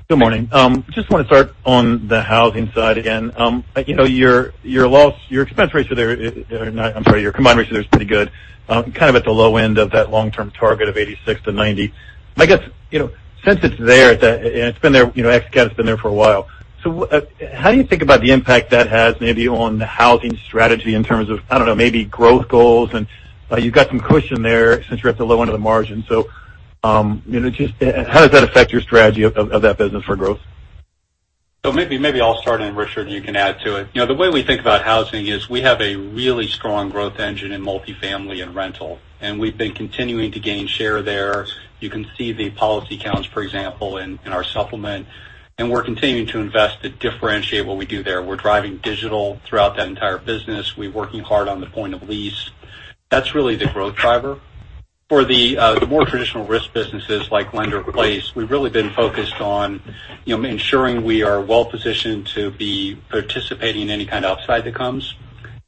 Good morning. Just want to start on the housing side again. Your combined ratio there is pretty good, kind of at the low end of that long-term target of 86-90. I guess, since it's there, and it's been there, ex-CAT's been there for a while. How do you think about the impact that has maybe on the housing strategy in terms of, I don't know, maybe growth goals? You've got some cushion there since you're at the low end of the margin. Just how does that affect your strategy of that business for growth? Maybe I'll start, and Richard, you can add to it. The way we think about Global Housing is we have a really strong growth engine in multifamily and rental, and we've been continuing to gain share there. You can see the policy counts, for example, in our supplement, and we're continuing to invest to differentiate what we do there. We're driving digital throughout that entire business. We're working hard on the point of lease. That's really the growth driver. For the more traditional risk businesses like Lender-Placed, we've really been focused on ensuring we are well-positioned to be participating in any kind of upside that comes,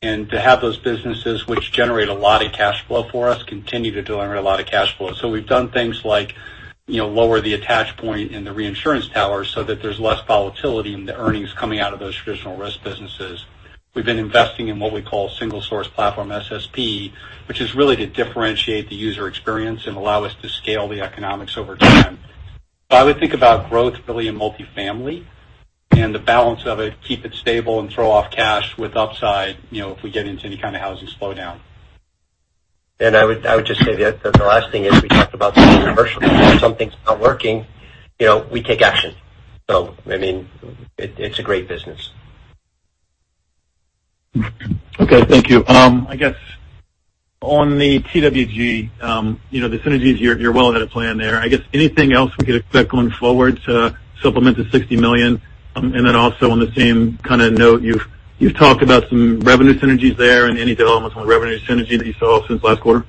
and to have those businesses which generate a lot of cash flow for us continue to generate a lot of cash flow. We've done things like lower the attach point in the reinsurance tower so that there's less volatility in the earnings coming out of those traditional risk businesses. We've been investing in what we call single source platform, SSP, which is really to differentiate the user experience and allow us to scale the economics over time. I would think about growth really in multifamily and the balance of it, keep it stable, and throw off cash with upside, if we get into any kind of housing slowdown. I would just say the last thing is we talked about the commercial piece. If something's not working, we take action. It's a great business. Okay. Thank you. I guess on the TWG, the synergies, you're well ahead of plan there. I guess anything else we could expect going forward to supplement the $60 million? Also on the same kind of note, you've talked about some revenue synergies there and any developments on revenue synergy that you saw since last quarter?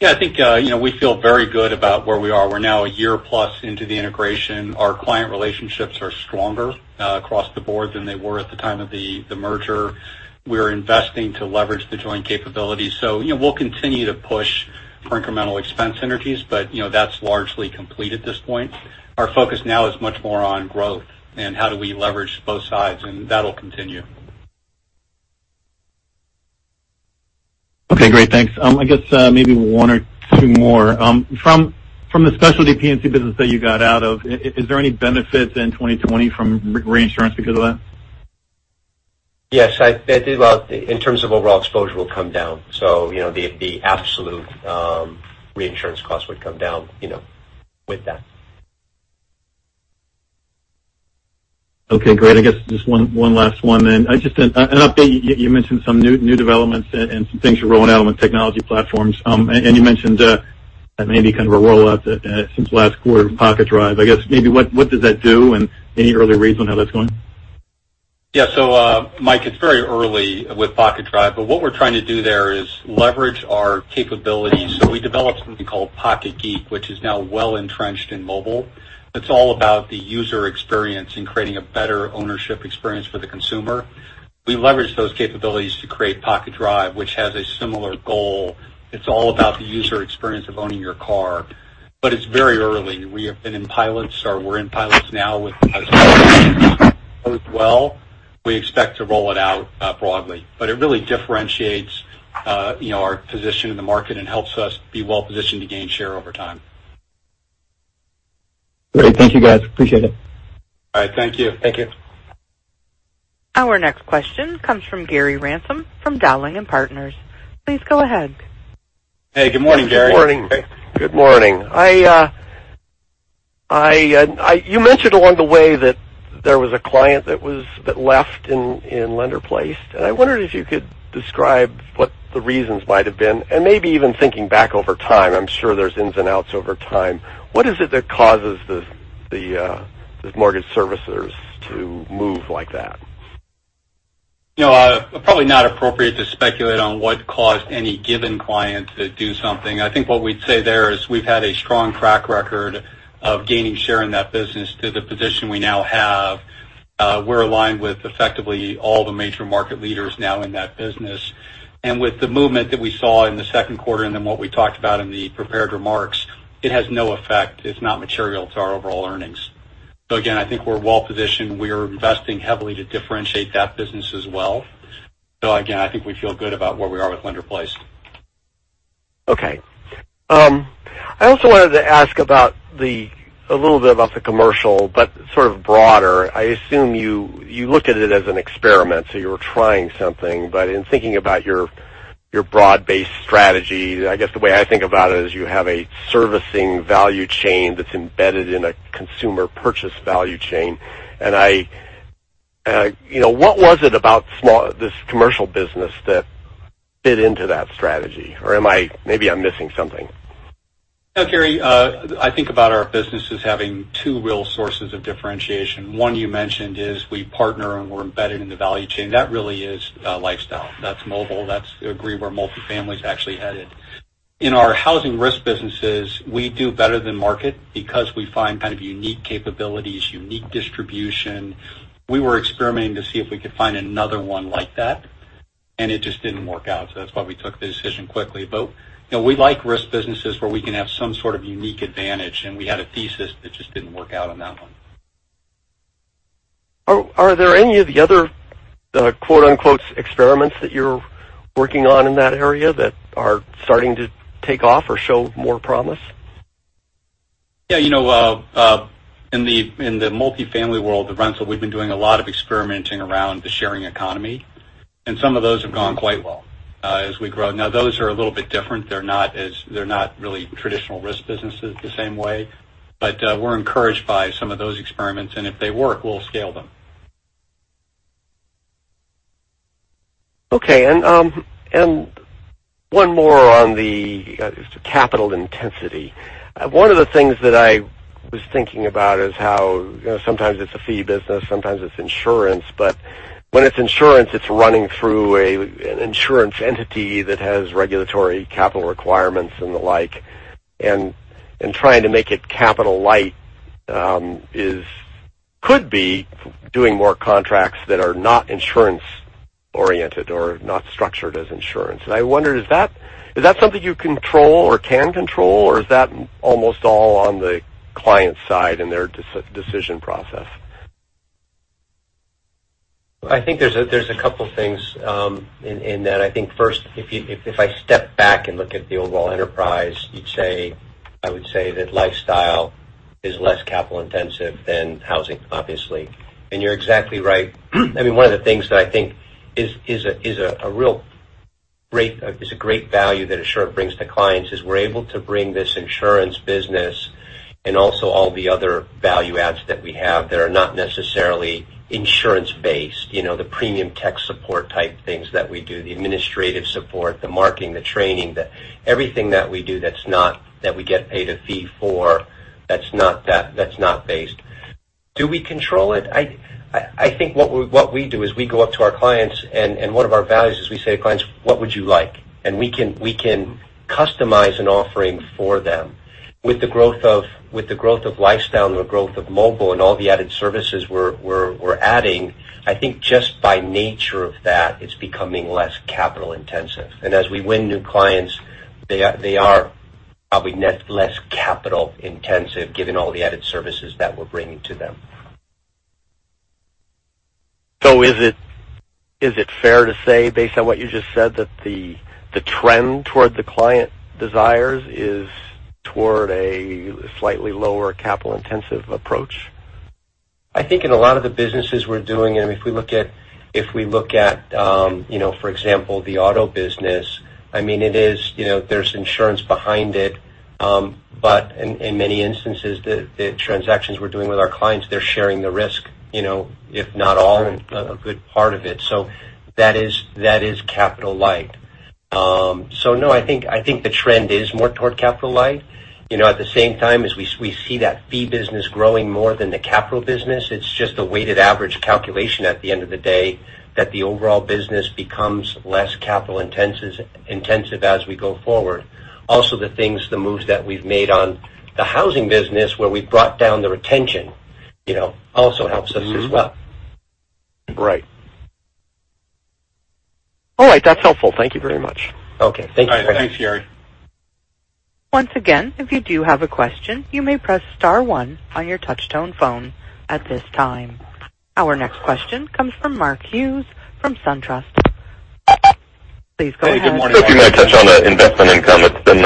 Yeah, I think we feel very good about where we are. We're now a year plus into the integration. Our client relationships are stronger across the board than they were at the time of the merger. We'll continue to push for incremental expense synergies, but that's largely complete at this point. Our focus now is much more on growth and how do we leverage both sides, and that'll continue. Okay, great. Thanks. I guess maybe one or two more. From the specialty P&C business that you got out of, is there any benefit in 2020 from reinsurance because of that? Yes. In terms of overall exposure will come down. The absolute reinsurance cost would come down with that. Okay, great. I guess just one last one. Just an update, you mentioned some new developments and some things you're rolling out on the technology platforms. You mentioned that maybe kind of a rollout since last quarter with PocketDrive. I guess maybe what does that do and any early reads on how that's going? Mike, it's very early with Pocket Drive, but what we're trying to do there is leverage our capabilities. We developed something called Pocket Geek, which is now well-entrenched in mobile. It's all about the user experience and creating a better ownership experience for the consumer. We leverage those capabilities to create Pocket Drive, which has a similar goal. It's all about the user experience of owning your car. It's very early. We have been in pilots, or we're in pilots now with a few clients. If it goes well, we expect to roll it out broadly. It really differentiates our position in the market and helps us be well-positioned to gain share over time. Great. Thank you, guys. Appreciate it. All right. Thank you. Thank you. Our next question comes from Gary Ransom from Dowling & Partners. Please go ahead. Hey, good morning, Gary. Good morning. You mentioned along the way that there was a client that left in Lender-Placed, and I wondered if you could describe what the reasons might have been, and maybe even thinking back over time. I'm sure there's ins and outs over time. What is it that causes these mortgage servicers to move like that? Probably not appropriate to speculate on what caused any given client to do something. I think what we'd say there is we've had a strong track record of gaining share in that business to the position we now have. We're aligned with effectively all the major market leaders now in that business. With the movement that we saw in the second quarter, and then what we talked about in the prepared remarks, it has no effect. It's not material to our overall earnings. Again, I think we're well positioned. We are investing heavily to differentiate that business as well. Again, I think we feel good about where we are with Lender-Placed. Okay. I also wanted to ask a little bit about the commercial, but sort of broader. I assume you looked at it as an experiment, so you were trying something, but in thinking about your broad-based strategy, I guess the way I think about it is you have a servicing value chain that's embedded in a consumer purchase value chain. What was it about this commercial business that fit into that strategy? Maybe I'm missing something. No, Gary. I think about our businesses having two real sources of differentiation. One you mentioned is we partner, and we're embedded in the value chain. That really is Lifestyle. That's Mobile. That's, agree where multifamily is actually headed. In our housing risk businesses, we do better than market because we find kind of unique capabilities, unique distribution. We were experimenting to see if we could find another one like that, and it just didn't work out. That's why we took the decision quickly. We like risk businesses where we can have some sort of unique advantage, and we had a thesis that just didn't work out on that one. Are there any of the other 'experiments' that you're working on in that area that are starting to take off or show more promise? Yeah. In the multifamily world, the rental, we've been doing a lot of experimenting around the sharing economy. Some of those have gone quite well as we grow. Those are a little bit different. They're not really traditional risk businesses the same way. We're encouraged by some of those experiments, and if they work, we'll scale them. Okay. One more on the capital intensity. One of the things that I was thinking about is how sometimes it's a fee business, sometimes it's insurance. When it's insurance, it's running through an insurance entity that has regulatory capital requirements and the like. Trying to make it capital light could be doing more contracts that are not insurance oriented or not structured as insurance. I wonder, is that something you control or can control, or is that almost all on the client side and their decision process? I think there's a couple things in that. I think first, if I step back and look at the overall enterprise, I would say that lifestyle is less capital intensive than housing, obviously. You're exactly right. One of the things that I think is a great value that Assurant brings to clients is we're able to bring this insurance business and also all the other value adds that we have that are not necessarily insurance based. The premium tech support type things that we do, the administrative support, the marketing, the training. Everything that we do that we get paid a fee for, that's not based. Do we control it? I think what we do is we go up to our clients, and one of our values is we say to clients, "What would you like?" We can customize an offering for them. With the growth of Lifestyle and the growth of mobile and all the added services we're adding, I think just by nature of that, it's becoming less capital intensive. As we win new clients, they are probably less capital intensive given all the added services that we're bringing to them. Is it fair to say, based on what you just said, that the trend toward the client desires is toward a slightly lower capital-intensive approach? I think in a lot of the businesses we're doing, and if we look at, for example, the auto business, there's insurance behind it. In many instances, the transactions we're doing with our clients, they're sharing the risk, if not all, a good part of it. That is capital light. No, I think the trend is more toward capital light. At the same time as we see that fee business growing more than the capital business, it's just a weighted average calculation at the end of the day that the overall business becomes less capital-intensive as we go forward. Also, the things, the moves that we've made on the housing business, where we've brought down the retention also helps us as well. Right. All right. That's helpful. Thank you very much. Okay. Thank you. All right. Thanks, Gary. Once again, if you do have a question, you may press star one on your touch-tone phone at this time. Our next question comes from Mark Hughes from SunTrust. Please go ahead. Hey, good morning, Mark. If you might touch on investment income. It's been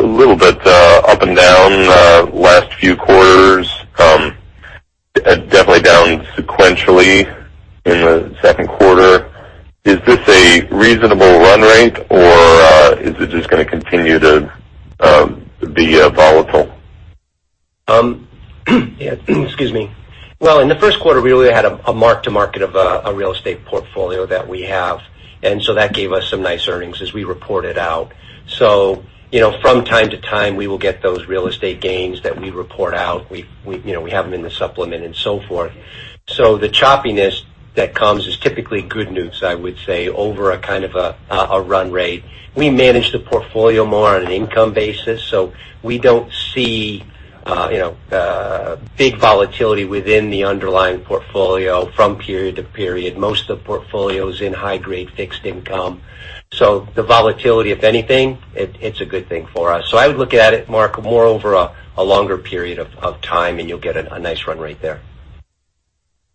a little bit up and down the last few quarters. Definitely down sequentially in the second quarter. Is this a reasonable run rate or is it just going to continue to be volatile? Excuse me. Well, in the first quarter, we really had a mark-to-market of a real estate portfolio that we have, and so that gave us some nice earnings as we reported out. From time to time, we will get those real estate gains that we report out. We have them in the supplement and so forth. The choppiness that comes is typically good news, I would say, over a kind of a run rate. We manage the portfolio more on an income basis, so we don't see big volatility within the underlying portfolio from period to period. Most of the portfolio is in high-grade fixed income. The volatility, if anything, it's a good thing for us. I would look at it, Mark, more over a longer period of time, and you'll get a nice run rate there.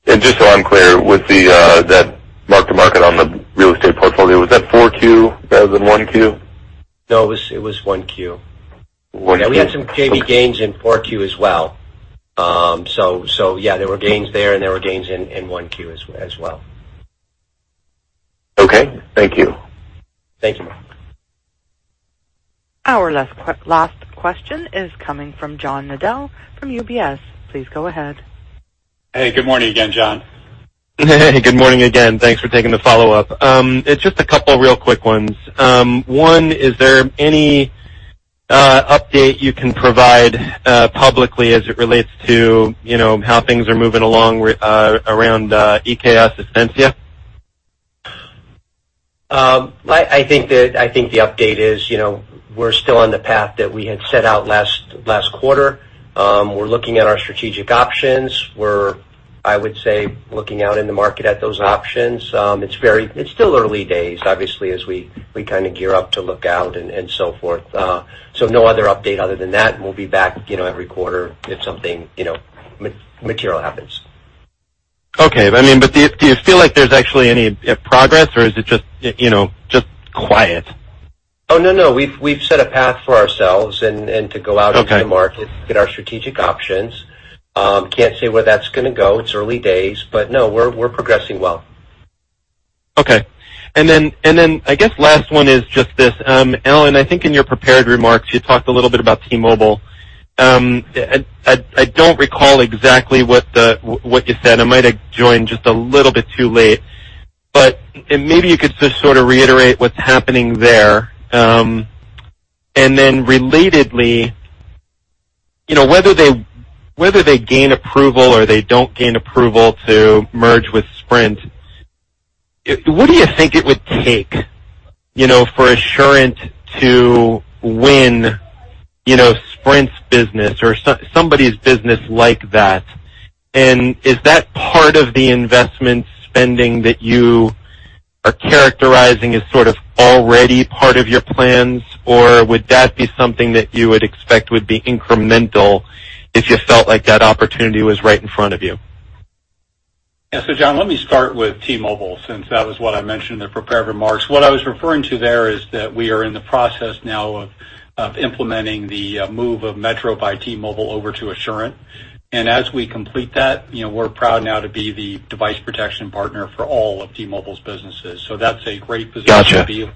Just so I'm clear, with that mark-to-market on the real estate portfolio, was that four Q rather than one Q? No, it was 1 Q. One Q. Yeah, we had some JV gains in 4Q as well. Yeah, there were gains there and there were gains in 1Q as well. Okay. Thank you. Thank you, Mark. Our last question is coming from John Nadel from UBS. Please go ahead. Hey, good morning again, John. Good morning again. Thanks for taking the follow-up. It's just a couple real quick ones. One, is there any update you can provide publicly as it relates to how things are moving along around Iké Asistencia? I think the update is, we're still on the path that we had set out last quarter. We're looking at our strategic options. We're, I would say, looking out in the market at those options. It's still early days, obviously, as we kind of gear up to look out and so forth. No other update other than that, and we'll be back every quarter if something material happens. Okay. Do you feel like there's actually any progress or is it just quiet? Oh, no. We've set a path for ourselves. Okay into the market, look at our strategic options. Can't say where that's going to go. It's early days. No, we're progressing well. Okay. I guess last one is just this. Alan, I think in your prepared remarks, you talked a little bit about T-Mobile. I don't recall exactly what you said. I might have joined just a little bit too late. Maybe you could just sort of reiterate what's happening there. Relatedly, whether they gain approval or they don't gain approval to merge with Sprint, what do you think it would take for Assurant to win Sprint's business or somebody's business like that? Is that part of the investment spending that you are characterizing as sort of already part of your plans, or would that be something that you would expect would be incremental if you felt like that opportunity was right in front of you? Yeah. John, let me start with T-Mobile since that was what I mentioned in the prepared remarks. What I was referring to there is that we are in the process now of implementing the move of Metro by T-Mobile over to Assurant. As we complete that, we're proud now to be the device protection partner for all of T-Mobile's businesses. That's a great position to be in. Got you.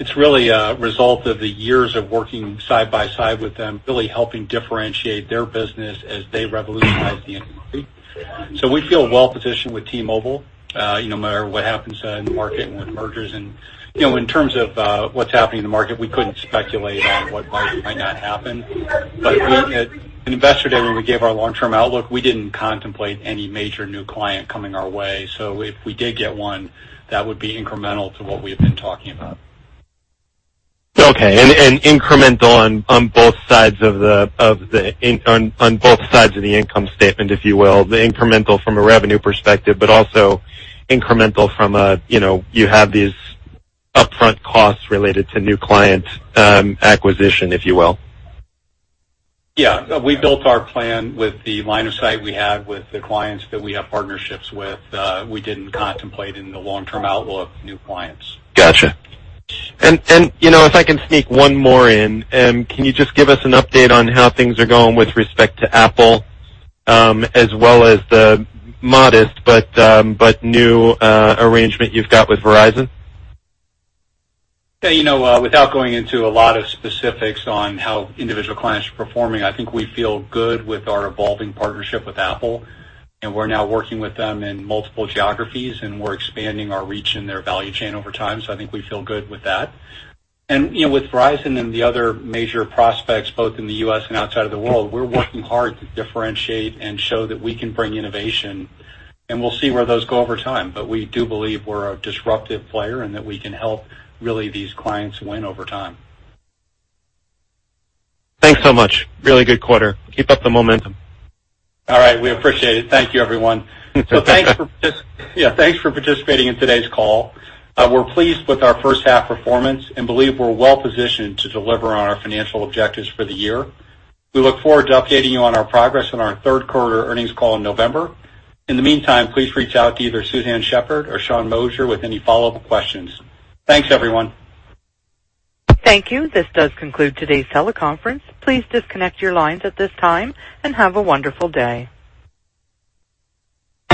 It's really a result of the years of working side by side with them, really helping differentiate their business as they revolutionize the industry. We feel well-positioned with T-Mobile no matter what happens in the market and with mergers. In terms of what's happening in the market, we couldn't speculate on what might or might not happen. At Investor Day, when we gave our long-term outlook, we didn't contemplate any major new client coming our way. If we did get one, that would be incremental to what we have been talking about. Okay. Incremental on both sides of the income statement, if you will. The incremental from a revenue perspective, also incremental from a, you have these upfront costs related to new client acquisition, if you will. Yeah. We built our plan with the line of sight we had with the clients that we have partnerships with. We didn't contemplate in the long-term outlook new clients. Got you. If I can sneak one more in, can you just give us an update on how things are going with respect to Apple as well as the modest but new arrangement you've got with Verizon? Yeah. Without going into a lot of specifics on how individual clients are performing, I think we feel good with our evolving partnership with Apple. We're now working with them in multiple geographies. We're expanding our reach in their value chain over time. I think we feel good with that. With Verizon and the other major prospects, both in the U.S. and outside of the world, we're working hard to differentiate and show that we can bring innovation. We'll see where those go over time. We do believe we're a disruptive player and that we can help really these clients win over time. Thanks so much. Really good quarter. Keep up the momentum. All right. We appreciate it. Thank you, everyone. Thanks for participating in today's call. We're pleased with our first half performance and believe we're well-positioned to deliver on our financial objectives for the year. We look forward to updating you on our progress in our third quarter earnings call in November. In the meantime, please reach out to either Suzanne Shepherd or Sean Moshier with any follow-up questions. Thanks, everyone. Thank you. This does conclude today's teleconference. Please disconnect your lines at this time, and have a wonderful day.